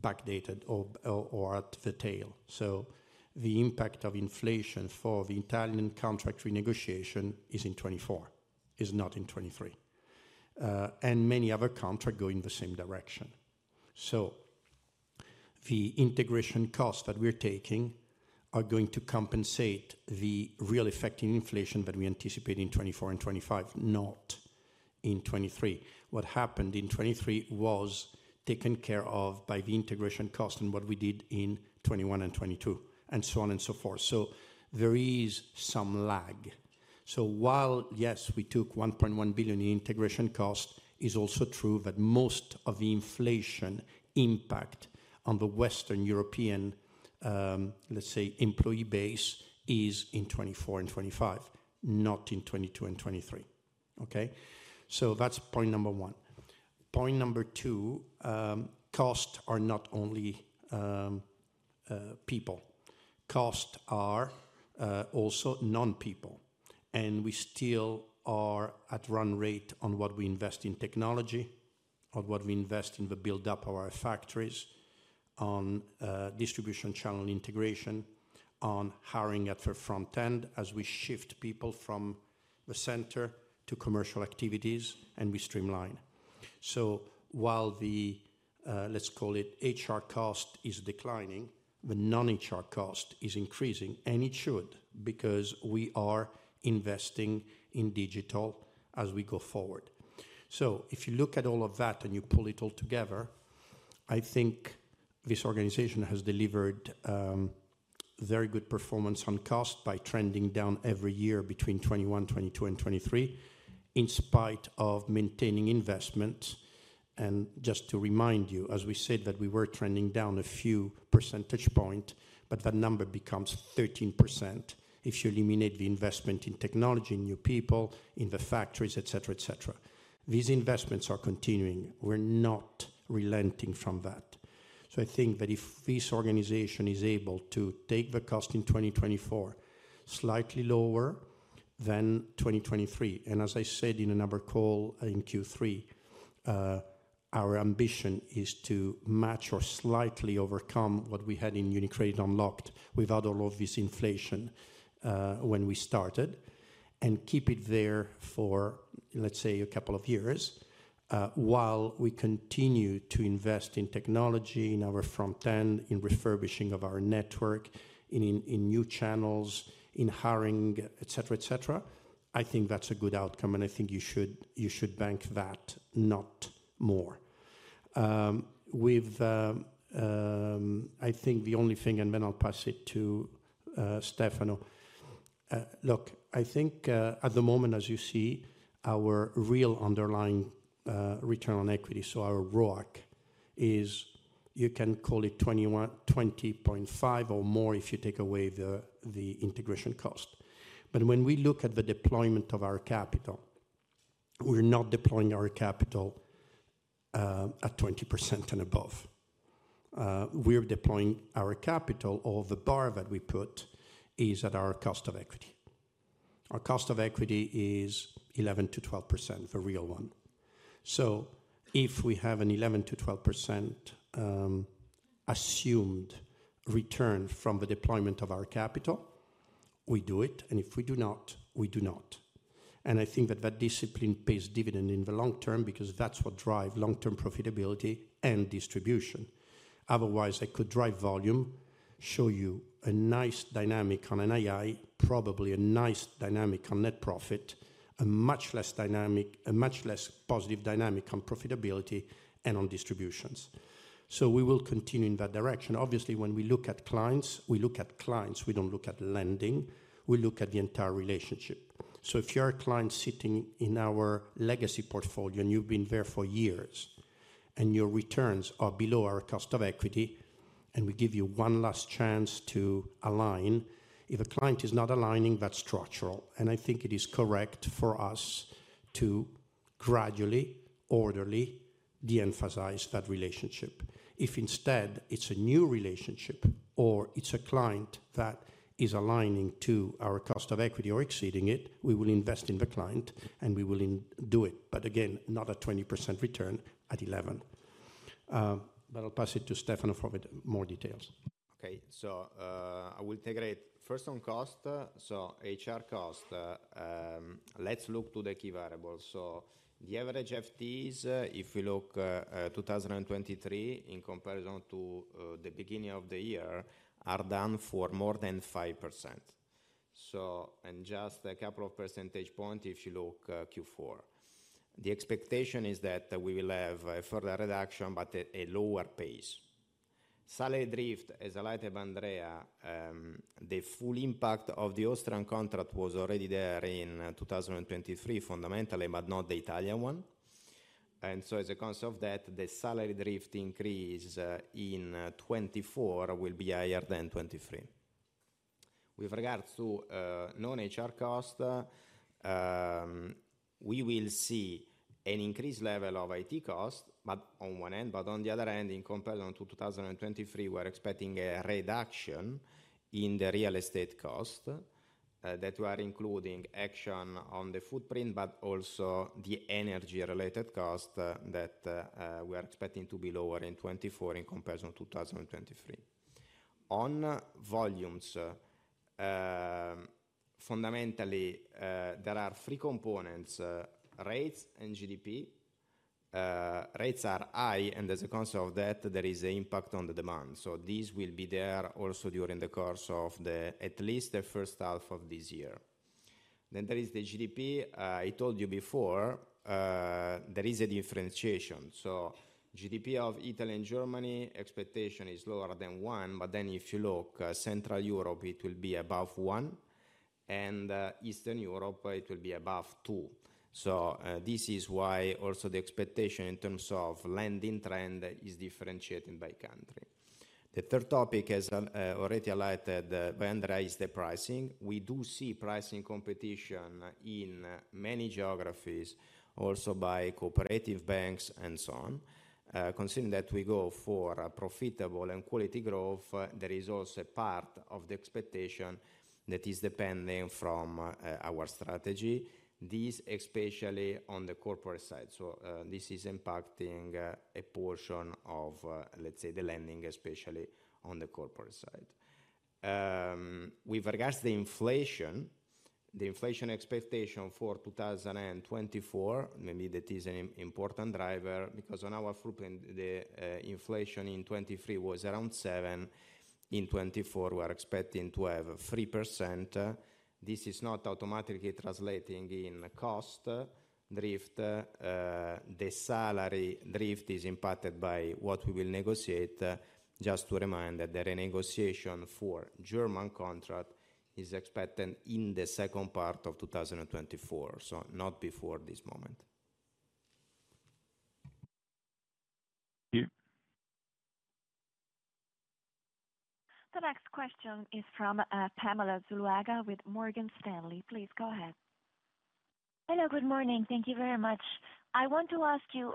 backdated or at the tail. So the impact of inflation for the Italian contract renegotiation is in 2024, is not in 2023. And many other contract go in the same direction. So the integration costs that we're taking are going to compensate the real effect in inflation that we anticipate in 2024 and 2025, not in 2023. What happened in 2023 was taken care of by the integration cost and what we did in 2021 and 2022, and so on and so forth. So there is some lag. So while, yes, we took 1.1 billion in integration cost, it's also true that most of the inflation impact on the Western European, let's say, employee base, is in 2024 and 2025, not in 2022 and 2023. Okay? So that's point number one. Point number two, costs are not only people. Costs are also non-people, and we still are at run rate on what we invest in technology, on what we invest in the build-up of our factories, on distribution channel integration, on hiring at the front end as we shift people from the center to commercial activities and we streamline. So while the, let's call it HR cost, is declining, the non-HR cost is increasing, and it should, because we are investing in digital as we go forward. So if you look at all of that and you pull it all together, I think this organization has delivered very good performance on cost by trending down every year between 2021, 2022, and 2023, in spite of maintaining investment. And just to remind you, as we said, that we were trending down a few percentage points, but that number becomes 13% if you eliminate the investment in technology, new people, in the factories, et cetera, et cetera. These investments are continuing. We're not relenting from that. So I think that if this organization is able to take the cost in 2024, slightly lower than 2023, and as I said in another call in Q3, our ambition is to match or slightly overcome what we had in UniCredit Unlocked without all of this inflation, when we started, and keep it there for, let's say, a couple of years, while we continue to invest in technology, in our front end, in refurbishing of our network, in new channels, in hiring, et cetera, et cetera. I think that's a good outcome, and I think you should bank that, not more. I think the only thing, and then I'll pass it to Stefano. Look, I think, at the moment, as you see, our real underlying return on equity, so our ROIC, is you can call it 21-20.5 or more if you take away the, the integration cost. But when we look at the deployment of our capital, we're not deploying our capital at 20% and above. We're deploying our capital, or the bar that we put, is at our cost of equity. Our cost of equity is 11%-12%, the real one. So if we have an 11%-12% assumed return from the deployment of our capital, we do it, and if we do not, we do not. And I think that that discipline pays dividend in the long term, because that's what drive long-term profitability and distribution. Otherwise, I could drive volume, show you a nice dynamic on NII, probably a nice dynamic on net profit, a much less dynamic, a much less positive dynamic on profitability and on distributions. So we will continue in that direction. Obviously, when we look at clients, we look at clients, we don't look at lending, we look at the entire relationship. So if you're a client sitting in our legacy portfolio, and you've been there for years, and your returns are below our cost of equity, and we give you one last chance to align, if a client is not aligning, that's structural, and I think it is correct for us to gradually, orderly, de-emphasize that relationship. If instead it's a new relationship or it's a client that is aligning to our cost of equity or exceeding it, we will invest in the client, and we will do it, but again, not at 20% return, at 11%. But I'll pass it to Stefano for more details. Okay, so, I will take it first on cost. So HR cost, let's look to the key variables. So the average FTEs, if we look, at 2023 in comparison to, the beginning of the year, are down for more than 5%. So, and just a couple of percentage point, if you look, Q4. The expectation is that we will have a further reduction but at a lower pace. Salary drift, as highlighted by Andrea, the full impact of the Austrian contract was already there in, 2023, fundamentally, but not the Italian one. And so as a consequence of that, the salary drift increase, in, 2024 will be higher than 2023. With regards to non-HR cost, we will see an increased level of IT cost, but on one end, but on the other end, in comparison to 2023, we're expecting a reduction in the real estate cost that we are including action on the footprint, but also the energy-related cost that we are expecting to be lower in 2024 in comparison to 2023. On volumes, fundamentally, there are three components: rates and GDP. Rates are high, and as a consequence of that, there is an impact on the demand. So these will be there also during the course of the year, at least the first half of this year. Then there is the GDP. I told you before, there is a differentiation. So GDP of Italy and Germany, expectation is lower than 1%, but then if you look, Central Europe, it will be above 1%, and Eastern Europe, it will be above 2%. So, this is why also the expectation in terms of lending trend is differentiating by country. The third topic, as already highlighted by Andrea, is the pricing. We do see pricing competition in many geographies, also by cooperative banks and so on. Considering that we go for a profitable and quality growth, there is also part of the expectation that is depending from our strategy, this especially on the corporate side. So, this is impacting a portion of, let's say, the lending, especially on the corporate side. With regards to the inflation, the inflation expectation for 2024, maybe that is an important driver, because on our footprint, the inflation in 2023 was around 7%. In 2024, we are expecting to have a 3%. This is not automatically translating in cost drift. The salary drift is impacted by what we will negotiate. Just to remind that the renegotiation for German contract is expected in the second part of 2024, so not before this moment. Thank you. The next question is from Pamela Zuluaga, with Morgan Stanley. Please go ahead. Hello, good morning. Thank you very much. I want to ask you,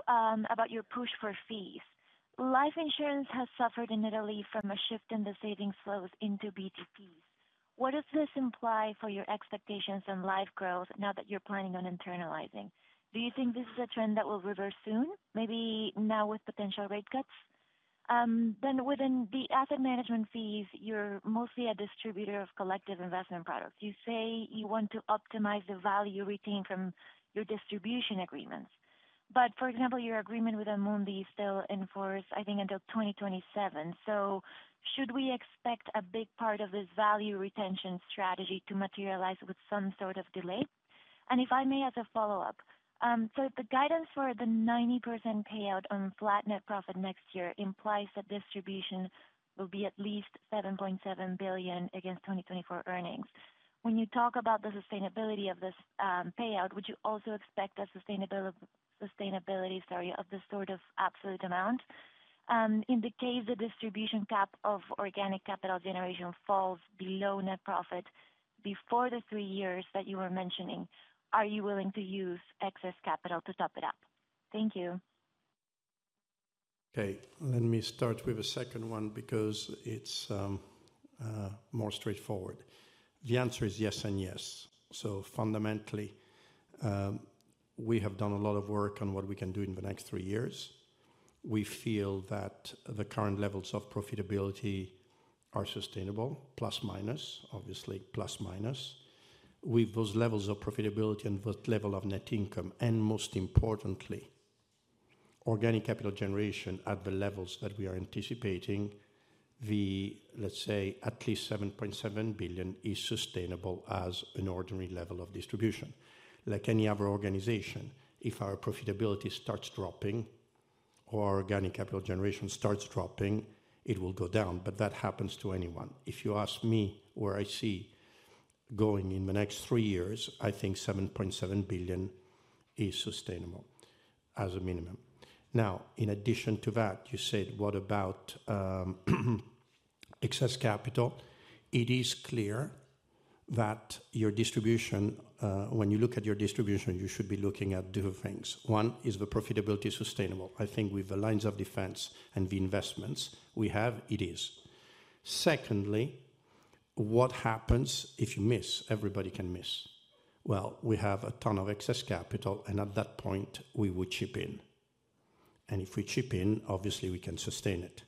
about your push for fees. Life insurance has suffered in Italy from a shift in the savings flows into BTPs. What does this imply for your expectations on life growth now that you're planning on internalizing? Do you think this is a trend that will reverse soon, maybe now with potential rate cuts? Then within the asset management fees, you're mostly a distributor of collective investment products. You say you want to optimize the value retained from your distribution agreements, but for example, your agreement with Amundi is still in force, I think until 2027. So should we expect a big part of this value retention strategy to materialize with some sort of delay? If I may, as a follow-up, so the guidance for the 90% payout on flat net profit next year implies that distribution will be at least 7.7 billion against 2024 earnings. When you talk about the sustainability of this payout, would you also expect a sustainability, sorry, of this sort of absolute amount? In the case the distribution cap of organic capital generation falls below net profit before the three years that you were mentioning, are you willing to use excess capital to top it up? Thank you. Okay, let me start with the second one, because it's more straightforward. The answer is yes and yes. So fundamentally, we have done a lot of work on what we can do in the next three years. We feel that the current levels of profitability are sustainable, plus, minus, obviously, plus, minus. With those levels of profitability and with level of net income, and most importantly, organic capital generation at the levels that we are anticipating, the, let's say at least 7.7 billion is sustainable as an ordinary level of distribution. Like any other organization, if our profitability starts dropping or organic capital generation starts dropping, it will go down, but that happens to anyone. If you ask me where I see going in the next three years, I think 7.7 billion is sustainable as a minimum. Now, in addition to that, you said, what about excess capital? It is clear that your distribution, when you look at your distribution, you should be looking at two things. One, is the profitability sustainable? I think with the lines of defense and the investments we have, it is. Secondly, what happens if you miss? Everybody can miss. Well, we have a ton of excess capital, and at that point, we would chip in. And if we chip in, obviously, we can sustain it.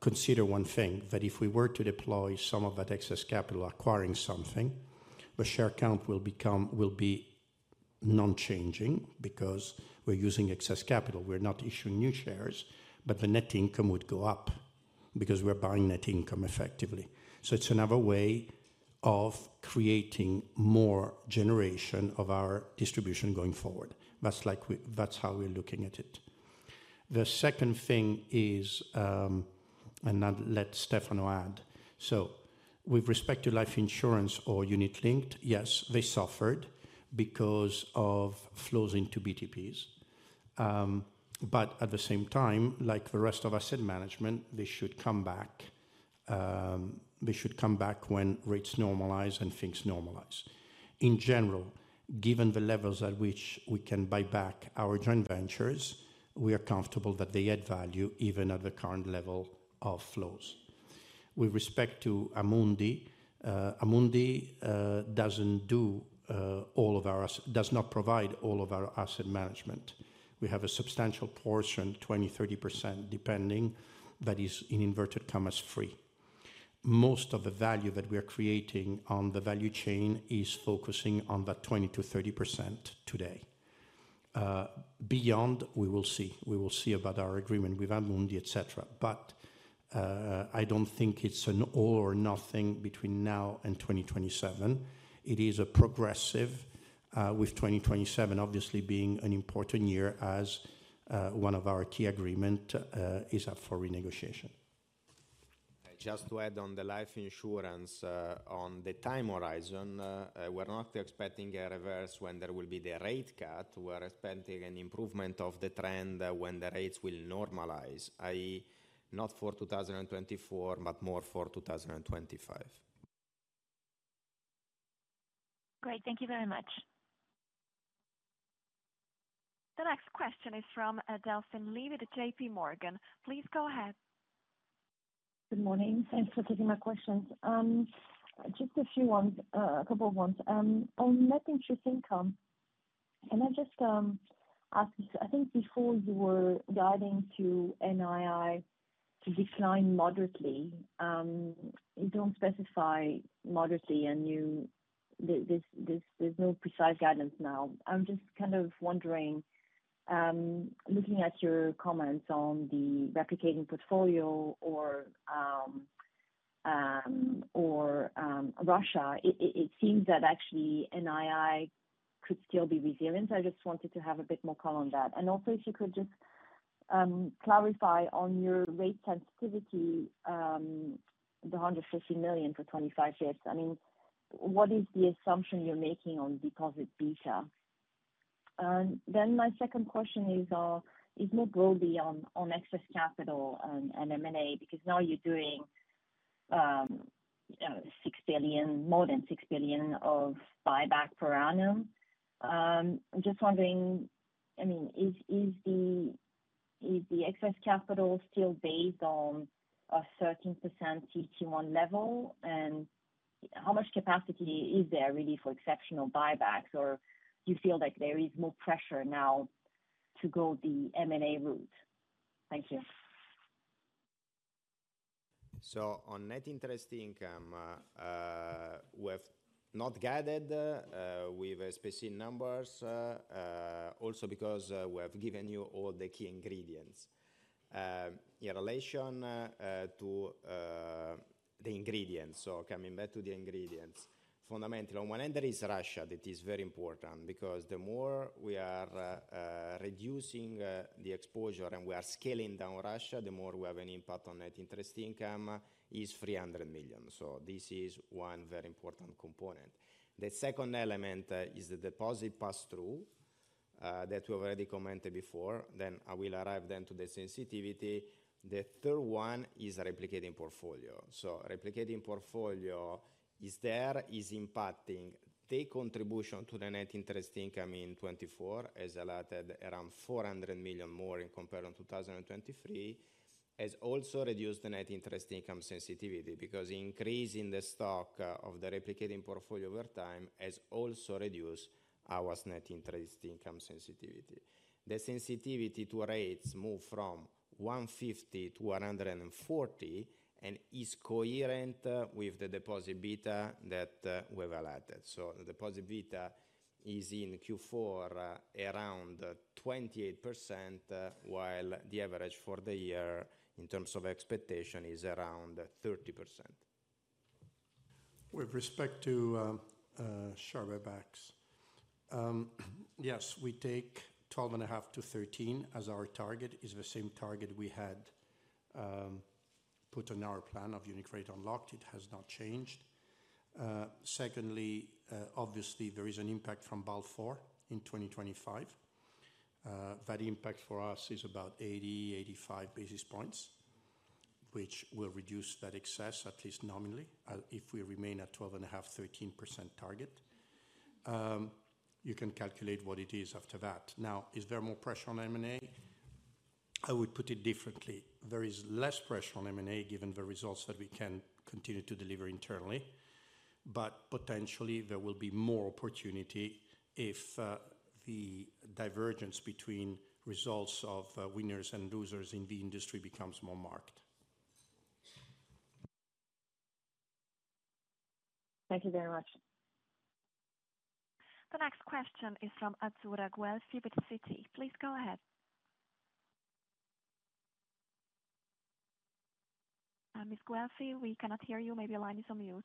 Consider one thing, that if we were to deploy some of that excess capital acquiring something, the share count will become, will be non-changing because we're using excess capital. We're not issuing new shares, but the net income would go up because we're buying net income effectively. So it's another way of creating more generation of our distribution going forward. That's like we—that's how we're looking at it. The second thing is, and I'll let Stefano add. So with respect to life insurance or unit linked, yes, they suffered because of flows into BTPs. But at the same time, like the rest of asset management, they should come back, they should come back when rates normalize and things normalize. In general, given the levels at which we can buy back our joint ventures, we are comfortable that they add value even at the current level of flows. With respect to Amundi, Amundi, doesn't do all of our does not provide all of our asset management. We have a substantial portion, 20%-30%, depending, that is, in inverted commas, free. Most of the value that we are creating on the value chain is focusing on that 20%-30% today. Beyond, we will see. We will see about our agreement with Amundi, et cetera. But, I don't think it's an all or nothing between now and 2027. It is a progressive, with 2027 obviously being an important year as, one of our key agreement, is up for renegotiation. Just to add on the life insurance, on the time horizon, we're not expecting a reverse when there will be the rate cut. We're expecting an improvement of the trend when the rates will normalize, i.e., not for 2024, but more for 2025. Great, thank you very much. The next question is from Delphine Lee at JPMorgan. Please go ahead. Good morning, thanks for taking my questions. Just a few ones, a couple of ones. On net interest income, can I just ask, I think before you were guiding to NII to decline moderately, you don't specify moderately and you... This, there's no precise guidance now. I'm just kind of wondering, looking at your comments on the replicating portfolio or Russia, it seems that actually NII could still be resilient. I just wanted to have a bit more color on that. And also, if you could just clarify on your rate sensitivity, the 150 million for 25 years. I mean, what is the assumption you're making on deposit beta? Then my second question is more broadly on excess capital and M&A, because now you're doing 6 billion, more than 6 billion of buyback per annum. I'm just wondering, I mean, is the excess capital still based on a 13% CET1 level? And how much capacity is there really for exceptional buybacks, or do you feel like there is more pressure now to go the M&A route? Thank you. So on net interest income, we have not guided with specific numbers, also because we have given you all the key ingredients. In relation to the ingredients, so coming back to the ingredients. Fundamentally, on one end, there is Russia. That is very important because the more we are reducing the exposure and we are scaling down Russia, the more we have an impact on net interest income, is 300 million. So this is one very important component. The second element is the deposit pass-through that we have already commented before. Then I will arrive then to the sensitivity. The third one is replicating portfolio. So replicating portfolio is there, is impacting the contribution to the net interest income in 2024, as allotted around 400 million more in comparison to 2023. Has also reduced the net interest income sensitivity, because increasing the stock of the replicating portfolio over time has also reduced our net interest income sensitivity. The sensitivity to rates moved from 150 to 140, and is coherent with the deposit beta that we've allotted. So the deposit beta is in Q4 around 28%, while the average for the year, in terms of expectation, is around 30%. With respect to share buybacks, yes, we take 12.5-13 as our target. It's the same target we had put on our plan of UniCredit Unlocked. It has not changed. Secondly, obviously, there is an impact from Basel IV in 2025. That impact for us is about 80-85 basis points, which will reduce that excess, at least nominally, if we remain at 12.5-13% target. You can calculate what it is after that. Now, is there more pressure on M&A? I would put it differently. There is less pressure on M&A, given the results that we can continue to deliver internally, but potentially there will be more opportunity if the divergence between results of winners and losers in the industry becomes more marked. Thank you very much. The next question is from Azzurra Guelfi with Citi. Please go ahead. Ms. Guelfi, we cannot hear you. Maybe your line is on mute.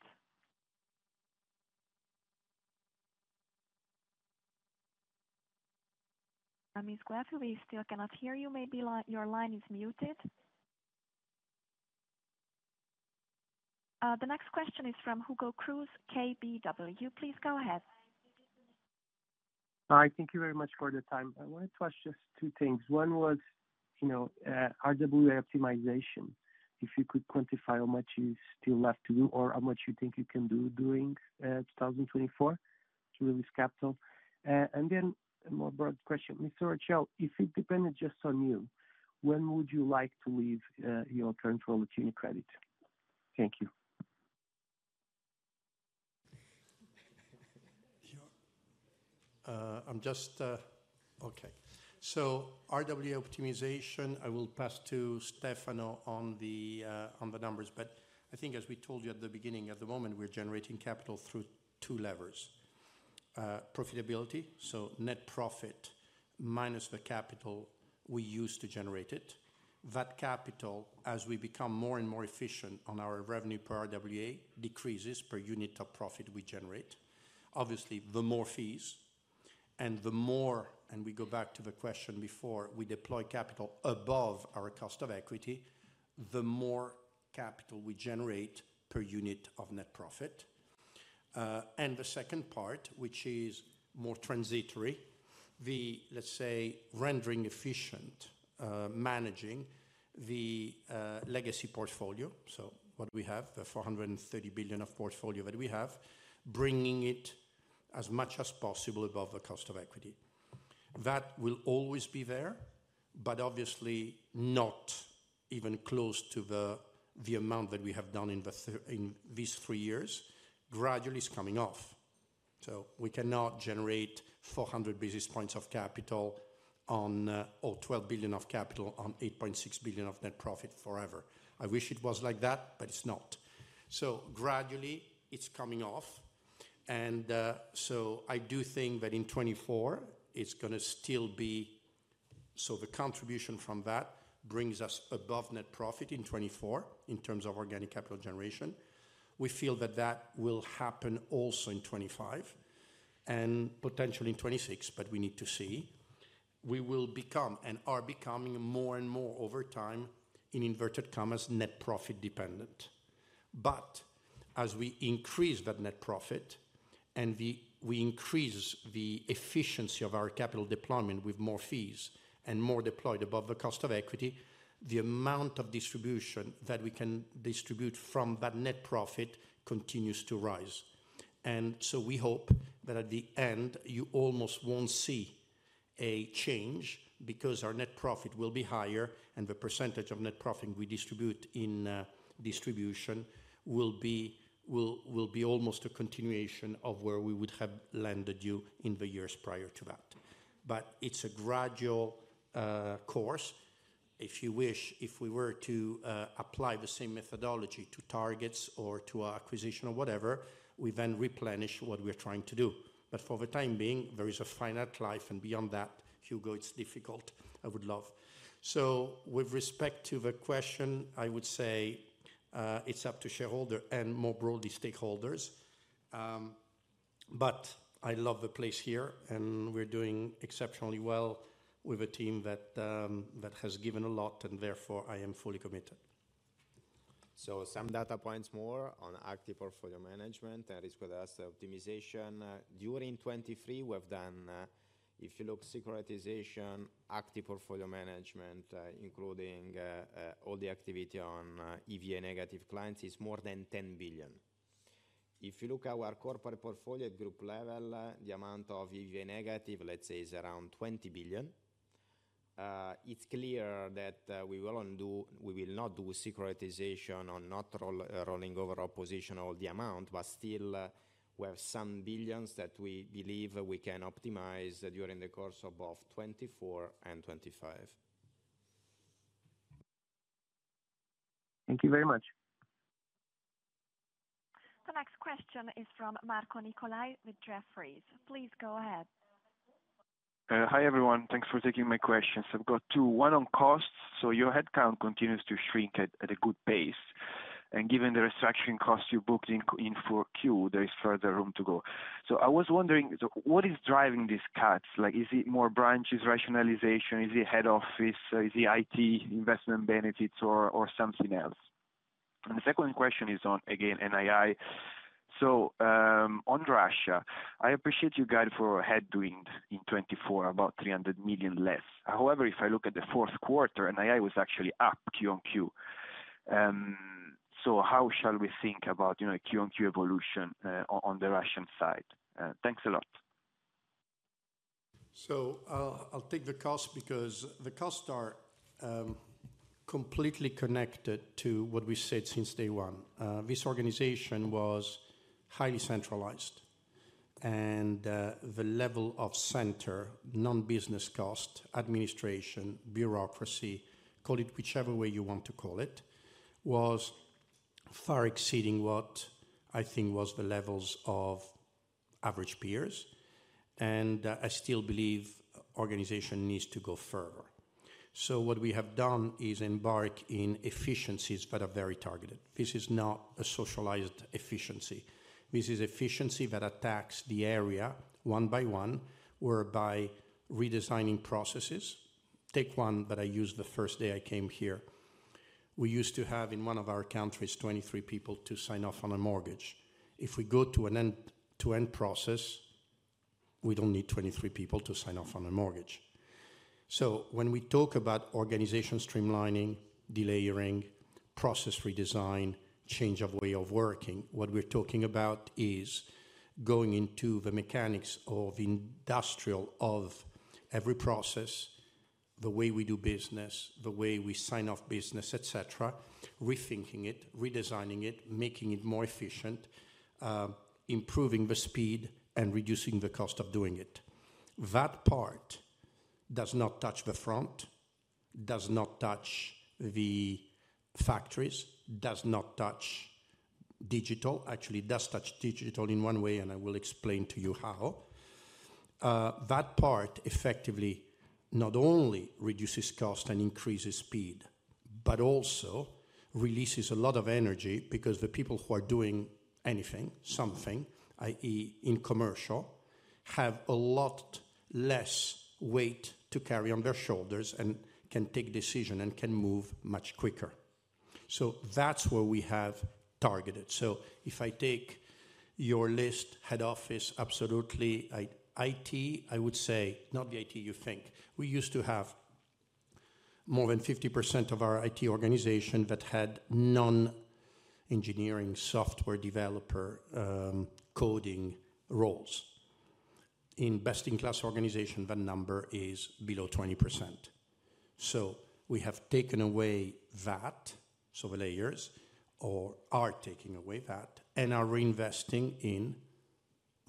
Ms. Guelfi, we still cannot hear you. Maybe your line is muted. The next question is from Hugo Cruz, KBW. Please go ahead. Hi, thank you very much for the time. I wanted to ask just two things. One was, you know, RWA optimization, if you could quantify how much is still left to do or how much you think you can do during 2024 to release capital? And then a more broad question, Mr. Orcel, if it depended just on you, when would you like to leave your current role at UniCredit? Thank you. I'm just... Okay. So RWA optimization, I will pass to Stefano on the, on the numbers. But I think as we told you at the beginning, at the moment, we're generating capital through two levers. Profitability, so net profit minus the capital we use to generate it. That capital, as we become more and more efficient on our revenue per RWA, decreases per unit of profit we generate. Obviously, the more fees and the more, and we go back to the question before, we deploy capital above our cost of equity, the more capital we generate per unit of net profit. And the second part, which is more transitory, the, let's say, rendering efficient, managing the, legacy portfolio. So what we have, the 430 billion of portfolio that we have, bringing it as much as possible above the cost of equity. That will always be there, but obviously not even close to the amount that we have done in these three years, gradually is coming off. So we cannot generate 400 basis points of capital on or 12 billion of capital on 8.6 billion of net profit forever. I wish it was like that, but it's not. So gradually, it's coming off, and so I do think that in 2024 it's gonna still be... So the contribution from that brings us above net profit in 2024 in terms of organic capital generation. We feel that that will happen also in 2025 and potentially in 2026, but we need to see. We will become, and are becoming more and more over time, in inverted commas, net profit dependent. But as we increase that net profit and we increase the efficiency of our capital deployment with more fees and more deployed above the cost of equity, the amount of distribution that we can distribute from that net profit continues to rise. And so we hope that at the end, you almost won't see a change because our net profit will be higher, and the percentage of net profit we distribute in distribution will be almost a continuation of where we would have landed you in the years prior to that. But it's a gradual course. If you wish, if we were to apply the same methodology to targets or to our acquisition or whatever, we then replenish what we're trying to do. But for the time being, there is a finite life, and beyond that, Hugo, it's difficult. I would love. So with respect to the question, I would say, it's up to shareholder and more broadly, stakeholders. But I love the place here, and we're doing exceptionally well with a team that that has given a lot, and therefore, I am fully committed. So some data points more on active portfolio management, that is, with asset optimization. During 2023, we've done, if you look securitization, active portfolio management, including all the activity on EVA negative clients, is more than 10 billion. If you look our corporate portfolio at group level, the amount of EVA negative, let's say, is around 20 billion. It's clear that we will not do securitization on not roll rolling over positions or the amount, but still we have some billions that we believe we can optimize during the course of both 2024 and 2025. Thank you very much. The next question is from Marco Nicolai with Jefferies. Please go ahead. Hi, everyone. Thanks for taking my questions. I've got two. One on costs. So your headcount continues to shrink at a good pace, and given the restriction costs you booked in 4Q, there is further room to go. So I was wondering, so what is driving these cuts? Like, is it more branches rationalization? Is it head office? Is it IT investment benefits or something else? And the second question is on, again, NII. So, on Russia, I appreciate you guide for headwind in 2024, about 300 million less. However, if I look at the fourth quarter, NII was actually up QoQ. So how shall we think about, you know, QoQ evolution on the Russian side? Thanks a lot.... So, I'll take the cost because the costs are completely connected to what we said since day one. This organization was highly centralized, and the level of center, non-business cost, administration, bureaucracy, call it whichever way you want to call it, was far exceeding what I think was the levels of average peers, and I still believe organization needs to go further. So what we have done is embark in efficiencies that are very targeted. This is not a socialized efficiency. This is efficiency that attacks the area one by one, whereby redesigning processes. Take one that I used the first day I came here. We used to have, in one of our countries, 23 people to sign off on a mortgage. If we go to an end-to-end process, we don't need 23 people to sign off on a mortgage. So when we talk about organization streamlining, delayering, process redesign, change of way of working, what we're talking about is going into the mechanics of industrial, of every process, the way we do business, the way we sign off business, et cetera, rethinking it, redesigning it, making it more efficient, improving the speed and reducing the cost of doing it. That part does not touch the front, does not touch the factories, does not touch digital. Actually, it does touch digital in one way, and I will explain to you how. That part effectively not only reduces cost and increases speed, but also releases a lot of energy because the people who are doing anything, something, i.e., in commercial, have a lot less weight to carry on their shoulders and can take decision and can move much quicker. So that's where we have targeted. So if I take your list, head office, absolutely. IT, I would say not the IT you think. We used to have more than 50% of our IT organization that had non-engineering, software developer, coding roles. In best-in-class organization, that number is below 20%. So we have taken away that, so the layers, or are taking away that, and are reinvesting in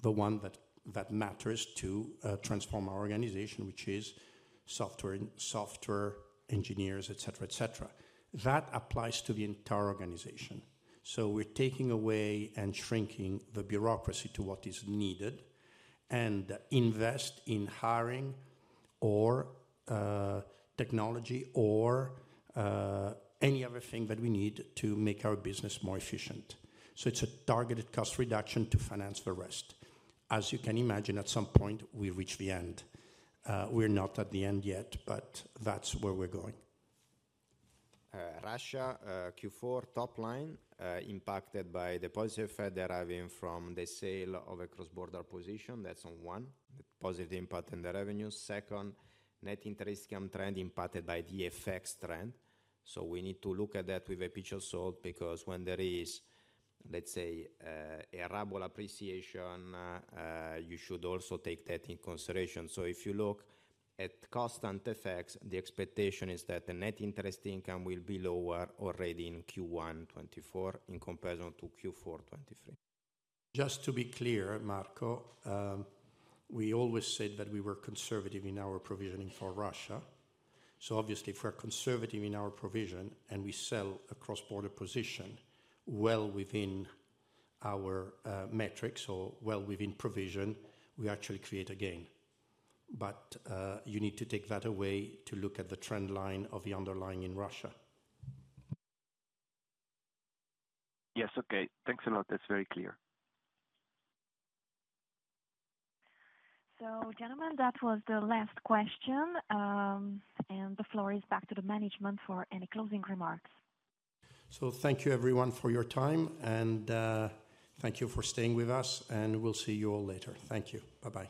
the one that, that matters to, transform our organization, which is software engineers, et cetera, et cetera. That applies to the entire organization. So we're taking away and shrinking the bureaucracy to what is needed and invest in hiring or, technology or, any other thing that we need to make our business more efficient. So it's a targeted cost reduction to finance the rest. As you can imagine, at some point, we reach the end. We're not at the end yet, but that's where we're going. Russia, Q4 top line, impacted by the positive effect deriving from the sale of a cross-border position. That's one, the positive impact in the revenue. Second, net interest income trend impacted by the FX trend. So we need to look at that with a pinch of salt, because when there is, let's say, a ruble appreciation, you should also take that in consideration. So if you look at constant effects, the expectation is that the net interest income will be lower already in Q1 2024 in comparison to Q4 2023. Just to be clear, Marco, we always said that we were conservative in our provisioning for Russia. So obviously, if we're conservative in our provision and we sell a cross-border position well within our metrics or well within provision, we actually create a gain. But you need to take that away to look at the trend line of the underlying in Russia. Yes, okay. Thanks a lot. That's very clear. Gentlemen, that was the last question. The floor is back to the management for any closing remarks. Thank you everyone for your time, and thank you for staying with us, and we'll see you all later. Thank you. Bye-bye.